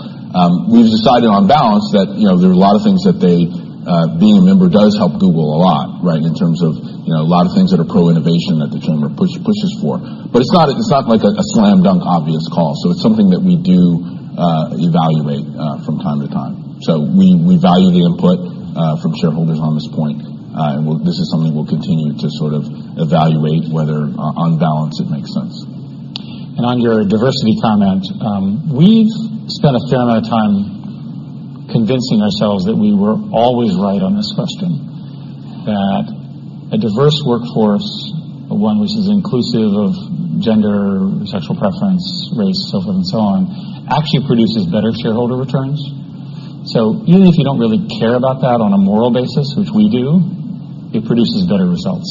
We've decided on balance that there are a lot of things that being a member does help Google a lot, right, in terms of a lot of things that are pro-innovation that the chamber pushes for. But it's not like a slam dunk obvious call. So it's something that we do evaluate from time to time. So we value the input from shareholders on this point. And this is something we'll continue to sort of evaluate whether on balance it makes sense. And on your diversity comment, we've spent a fair amount of time convincing ourselves that we were always right on this question, that a diverse workforce, one which is inclusive of gender, sexual preference, race, so forth and so on, actually produces better shareholder returns. So even if you don't really care about that on a moral basis, which we do, it produces better results.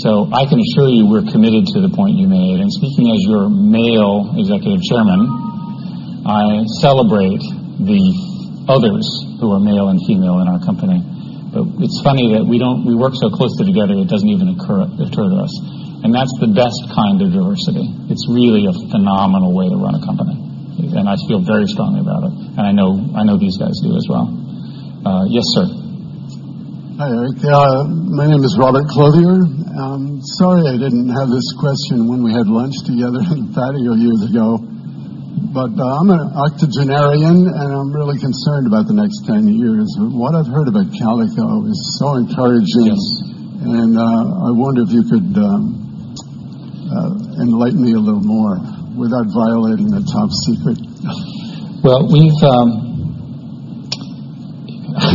So I can assure you we're committed to the point you made. And speaking as your male Executive Chairman, I celebrate the others who are male and female in our company. But it's funny that we work so closely together, it doesn't even occur to us. And that's the best kind of diversity. It's really a phenomenal way to run a company. And I feel very strongly about it. And I know these guys do as well. Yes, sir. Hi, Eric. My name is Robert Clothier. I'm sorry I didn't have this question when we had lunch together in Portugal years ago. But I'm an octogenarian, and I'm really concerned about the next 10 years. What I've heard about Calico is so encouraging. And I wonder if you could enlighten me a little more without violating the top secret.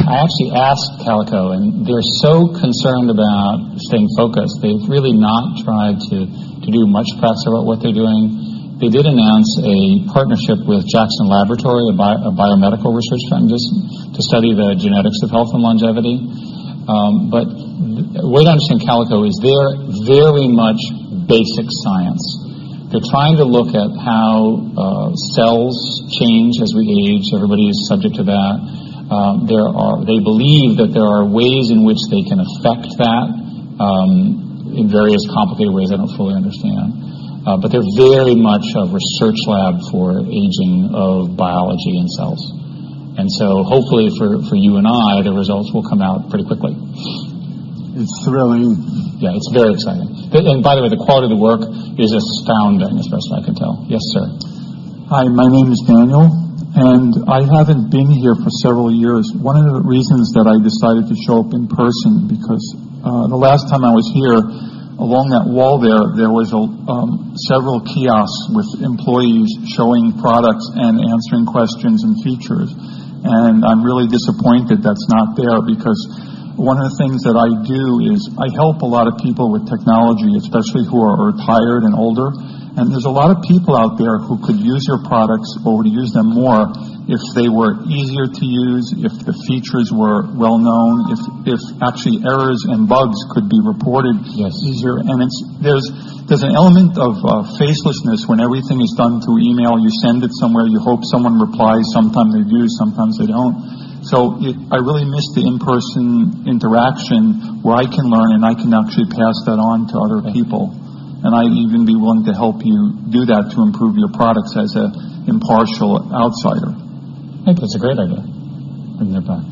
I actually asked Calico, and they're so concerned about staying focused. They've really not tried to do much press about what they're doing. They did announce a partnership with Jackson Laboratory, a biomedical research foundation to study the genetics of health and longevity. But the way to understand Calico is they're very much basic science. They're trying to look at how cells change as we age. Everybody is subject to that. They believe that there are ways in which they can affect that in various complicated ways I don't fully understand. But they're very much a research lab for aging of biology and cells, and so hopefully for you and I, the results will come out pretty quickly. It's thrilling. Yeah, it's very exciting, and by the way, the quality of the work is astounding, as best I can tell. Yes, sir. Hi, my name is Daniel, and I haven't been here for several years. One of the reasons that I decided to show up in person because the last time I was here, along that wall there, there were several kiosks with employees showing products and answering questions and features, and I'm really disappointed that's not there because one of the things that I do is I help a lot of people with technology, especially who are retired and older. There's a lot of people out there who could use your products or would use them more if they were easier to use, if the features were well-known, if actually errors and bugs could be reported easier. There's an element of facelessness when everything is done through email. You send it somewhere. You hope someone replies. Sometimes they do. Sometimes they don't. I really miss the in-person interaction where I can learn and I can actually pass that on to other people. I'd even be willing to help you do that to improve your products as an impartial outsider. That's a great idea. They're back.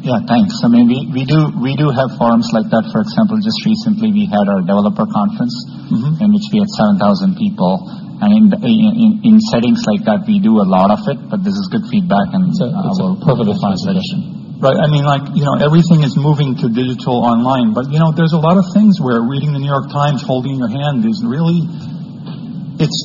Yeah, thanks. I mean, we do have forums like that. For example, just recently, we had our developer conference in which we had 7,000 people. In settings like that, we do a lot of it. But this is good feedback. It's a perfectly fine suggestion. Right. I mean, everything is moving to digital online. But there's a lot of things where reading The New York Times, holding your hand, it's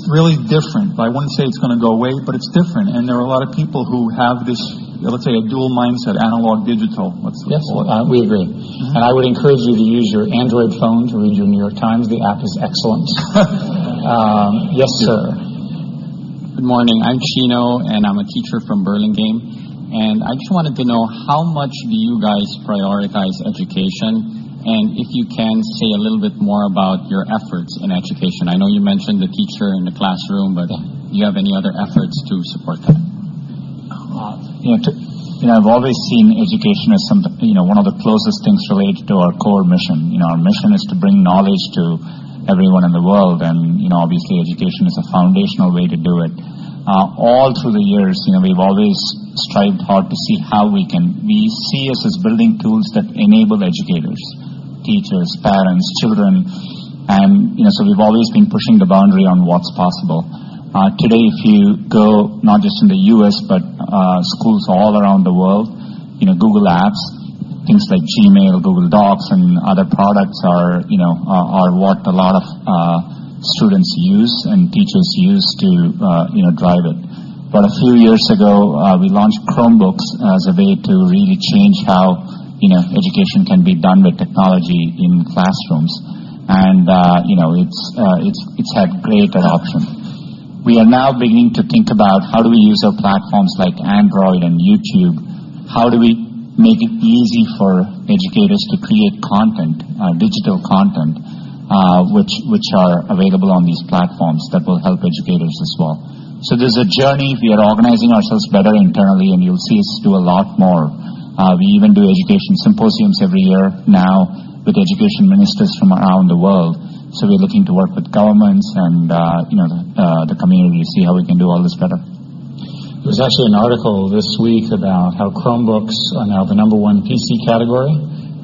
really different. But I wouldn't say it's going to go away, but it's different. And there are a lot of people who have this, let's say, a dual mindset, analog-digital. We agree. And I would encourage you to use your Android phone to read your New York Times. The app is excellent. Yes, sir. Good morning. I'm Chino, and I'm a teacher from Burlingame. And I just wanted to know how much do you guys prioritize education? And if you can, say a little bit more about your efforts in education. I know you mentioned the teacher in the classroom, but do you have any other efforts to support that? I've always seen education as one of the closest things related to our core mission. Our mission is to bring knowledge to everyone in the world, and obviously, education is a foundational way to do it. All through the years, we've always strived hard to see how we can. We see us as building tools that enable educators, teachers, parents, children, and so we've always been pushing the boundary on what's possible. Today, if you go not just in the U.S., but schools all around the world, Google Apps, things like Gmail, Google Docs, and other products are what a lot of students use and teachers use to drive it, but a few years ago, we launched Chromebooks as a way to really change how education can be done with technology in classrooms, and it's had great adoption. We are now beginning to think about how do we use our platforms like Android and YouTube? How do we make it easy for educators to create content, digital content, which are available on these platforms that will help educators as well? So there's a journey. We are organizing ourselves better internally, and you'll see us do a lot more. We even do education symposiums every year now with education ministers from around the world. So we're looking to work with governments and the community to see how we can do all this better. There's actually an article this week about how Chromebooks are now the number one PC category,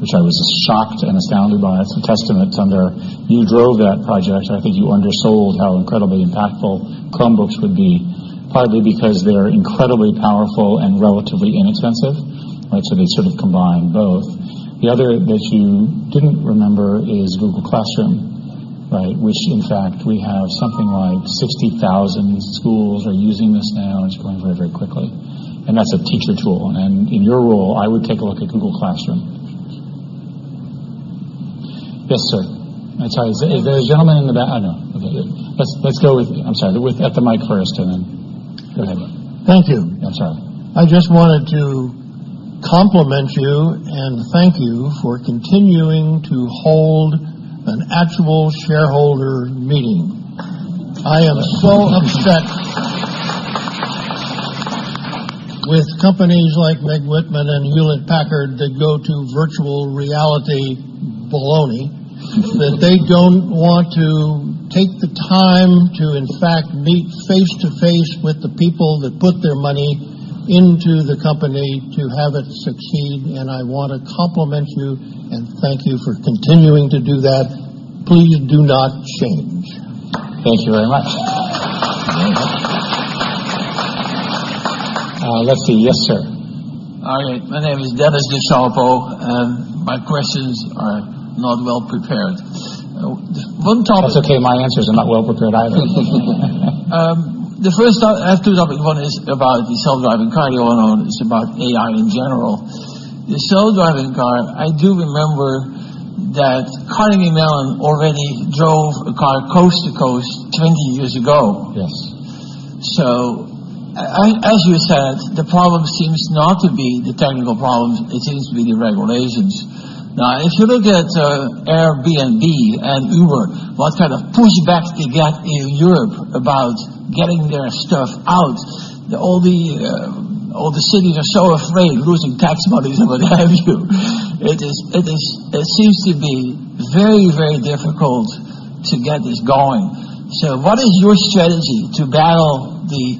which I was shocked and astounded by. It's a testament to you drove that project. I think you undersold how incredibly impactful Chromebooks would be, partly because they're incredibly powerful and relatively inexpensive. So they sort of combine both. The other that you didn't remember is Google Classroom, which in fact, we have something like 60,000 schools are using this now. It's going very, very quickly. And that's a teacher tool. And in your role, I would take a look at Google Classroom. Yes, sir. I'm sorry. Is there a gentleman in the back? I know. Okay. Let's go with. I'm sorry. With at the mic first, and then go ahead. Thank you. I just wanted to compliment you and thank you for continuing to hold an actual shareholder meeting. I am so upset with companies like Meg Whitman and Hewlett-Packard that go to virtual reality baloney that they don't want to take the time to, in fact, meet face-to-face with the people that put their money into the company to have it succeed. And I want to compliment you and thank you for continuing to do that. Please do not change. Thank you very much. Let's see. Yes, sir. All right. My name is Dennis DeSalvo, and my questions are not well prepared. One topic. That's okay. My answers are not well prepared either. The first. I have two topics. One is about the self-driving car you all know. It's about AI in general. The self-driving car, I do remember that Carnegie Mellon already drove a car coast to coast 20 years ago. So as you said, the problem seems not to be the technical problems. It seems to be the regulations. Now, if you look at Airbnb and Uber, what kind of pushback they get in Europe about getting their stuff out, all the cities are so afraid losing tax money or what have you. It seems to be very, very difficult to get this going. So what is your strategy to battle the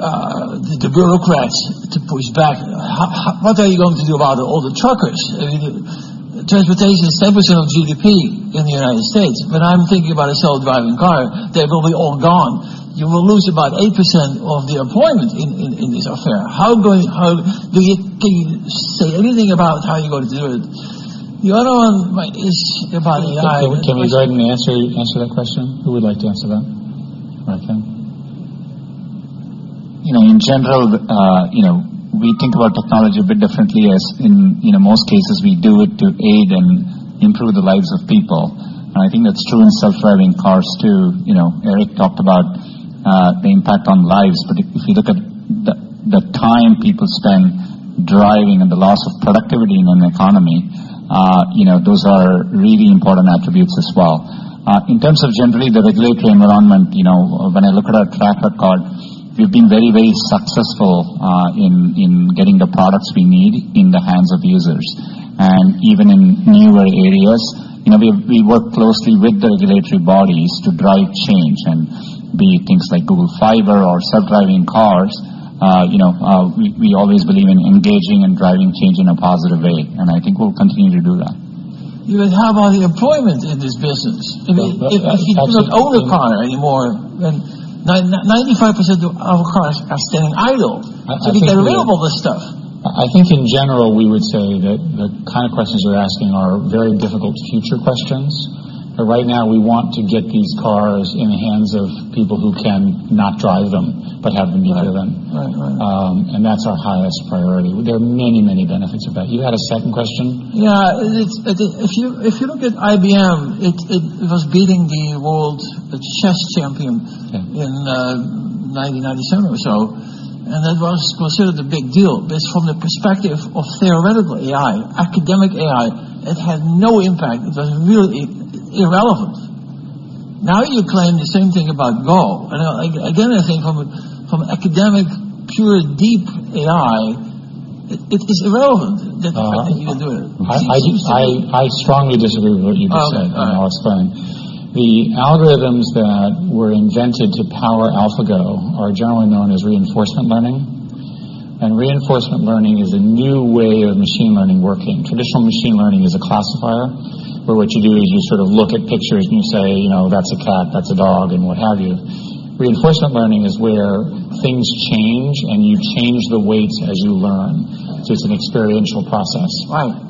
bureaucrats to push back? What are you going to do about all the truckers? Transportation is 10% of GDP in the United States. When I'm thinking about a self-driving car, they will be all gone. You will lose about 8% of the employment in this area. Can you say anything about how you're going to do it? The other one is about AI. Can we go ahead and answer that question? Who would like to answer that? All right, then. In general, we think about technology a bit differently. In most cases, we do it to aid and improve the lives of people. And I think that's true in self-driving cars too. Eric talked about the impact on lives. But if you look at the time people spend driving and the loss of productivity in an economy, those are really important attributes as well. In terms of generally the regulatory environment, when I look at our track record, we've been very, very successful in getting the products we need in the hands of users. And even in newer areas, we work closely with the regulatory bodies to drive change and be things like Google Fiber or self-driving cars. We always believe in engaging and driving change in a positive way. And I think we'll continue to do that. How about the employment in this business? I mean, if you do not own a car anymore, then 95% of cars are standing idle. So you can't available this stuff. I think in general, we would say that the kind of questions you're asking are very difficult future questions. But right now, we want to get these cars in the hands of people who can not drive them but have them be driven. And that's our highest priority. There are many, many benefits of that. You had a second question? Yeah. If you look at IBM, it was beating the world chess champion in 1997 or so. And that was considered a big deal. But from the perspective of theoretical AI, academic AI, it had no impact. It was really irrelevant. Now you claim the same thing about Go. Again, I think from academic, pure, deep AI, it is irrelevant that you can do it. I strongly disagree with what you just said. And I'll explain. The algorithms that were invented to power AlphaGo are generally known as reinforcement learning. And reinforcement learning is a new way of machine learning working. Traditional machine learning is a classifier where what you do is you sort of look at pictures and you say, "That's a cat. That's a dog," and what have you. Reinforcement learning is where things change and you change the weights as you learn. So it's an experiential process.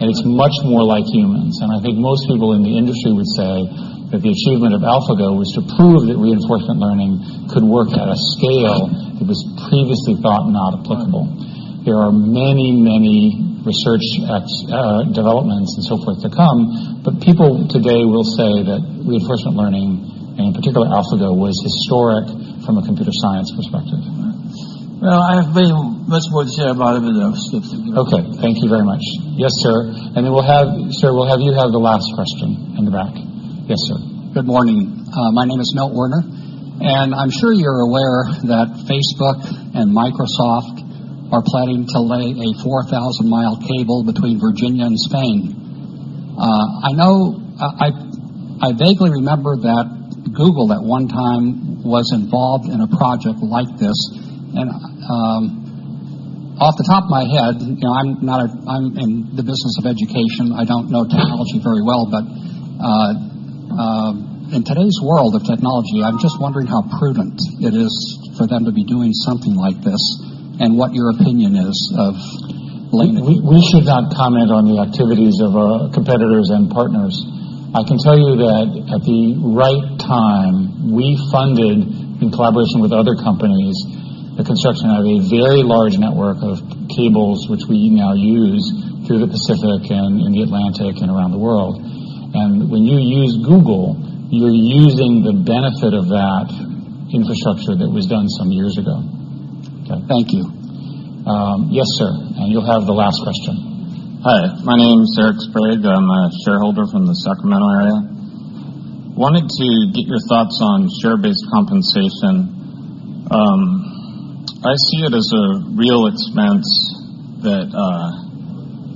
And it's much more like humans. And I think most people in the industry would say that the achievement of AlphaGo was to prove that reinforcement learning could work at a scale that was previously thought not applicable. There are many, many research developments and so forth to come. But people today will say that reinforcement learning, and in particular, AlphaGo, was historic from a computer science perspective. Well, I have much more to say about it, but that was it. Okay. Thank you very much. Yes, sir. And sir, we'll have you have the last question in the back. Yes, sir. Good morning. My name is Mel Werner. And I'm sure you're aware that Facebook and Microsoft are planning to lay a 4,000-mile cable between Virginia and Spain. I vaguely remember that Google at one time was involved in a project like this. And off the top of my head, I'm in the business of education. I don't know technology very well. But in today's world of technology, I'm just wondering how prudent it is for them to be doing something like this and what your opinion is of laying a cable. We should not comment on the activities of our competitors and partners. I can tell you that at the right time, we funded, in collaboration with other companies, the construction of a very large network of cables, which we now use through the Pacific and in the Atlantic and around the world. And when you use Google, you're using the benefit of that infrastructure that was done some years ago. Thank you. Yes, sir. And you'll have the last question. Hi. My name's Eric Sprague. I'm a shareholder from the Sacramento area. Wanted to get your thoughts on share-based compensation. I see it as a real expense that,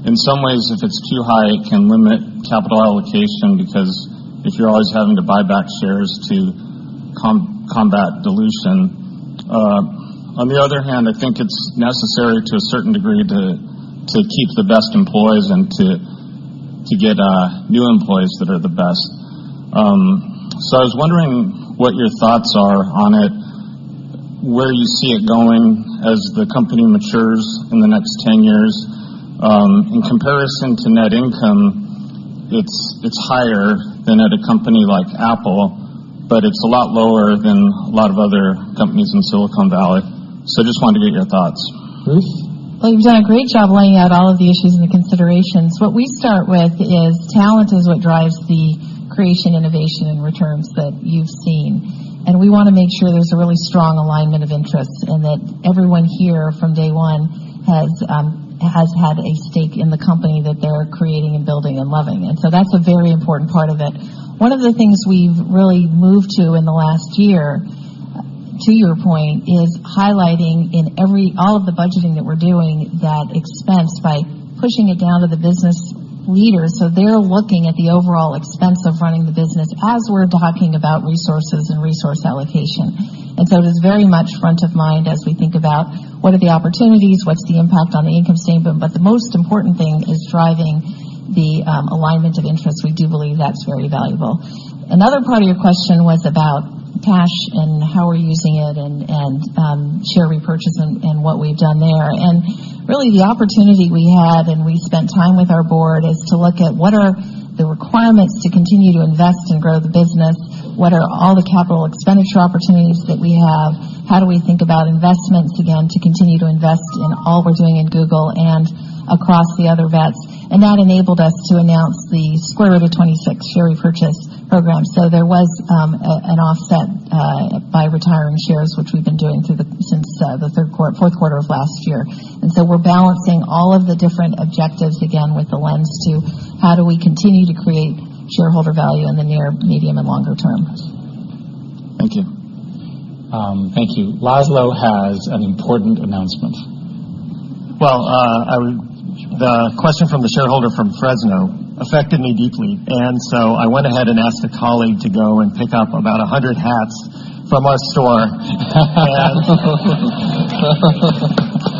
in some ways, if it's too high, it can limit capital allocation because if you're always having to buy back shares to combat dilution. On the other hand, I think it's necessary to a certain degree to keep the best employees and to get new employees that are the best. So I was wondering what your thoughts are on it, where you see it going as the company matures in the next 10 years. In comparison to net income, it's higher than at a company like Apple, but it's a lot lower than a lot of other companies in Silicon Valley. So I just wanted to get your thoughts. You've done a great job laying out all of the issues and the considerations. What we start with is talent is what drives the creation, innovation, and returns that you've seen. And we want to make sure there's a really strong alignment of interests and that everyone here from day one has had a stake in the company that they're creating and building and loving. And so that's a very important part of it. One of the things we've really moved to in the last year, to your point, is highlighting in all of the budgeting that we're doing that expense by pushing it down to the business leaders so they're looking at the overall expense of running the business as we're talking about resources and resource allocation, and so it is very much front of mind as we think about what are the opportunities, what's the impact on the income statement, but the most important thing is driving the alignment of interests. We do believe that's very valuable. Another part of your question was about cash and how we're using it and share repurchase and what we've done there. And really, the opportunity we had and we spent time with our board is to look at what are the requirements to continue to invest and grow the business, what are all the capital expenditure opportunities that we have, how do we think about investments again to continue to invest in all we're doing in Google and across the other bets. And that enabled us to announce the $26 billion share repurchase program. So there was an offset by retiring shares, which we've been doing since the fourth quarter of last year. And so we're balancing all of the different objectives again with the lens to how do we continue to create shareholder value in the near, medium, and longer term. Thank you. Thank you. Laszlo has an important announcement. Well, the question from the shareholder from Fresno affected me deeply. And so I went ahead and asked a colleague to go and pick up about 100 hats from our store.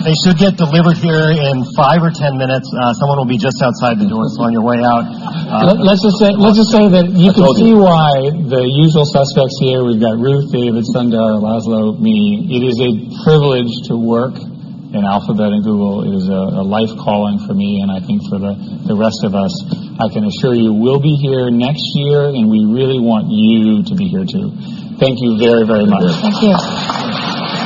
They should get delivered here in 5 or 10 minutes. Someone will be just outside the door. So on your way out, let's just say that you can see why the usual suspects here. We've got Ruth, David, Sundar, Laszlo, me. It is a privilege to work in Alphabet and Google. It is a life calling for me. And I think for the rest of us, I can assure you we'll be here next year. And we really want you to be here too. Thank you very, very much. Thank you.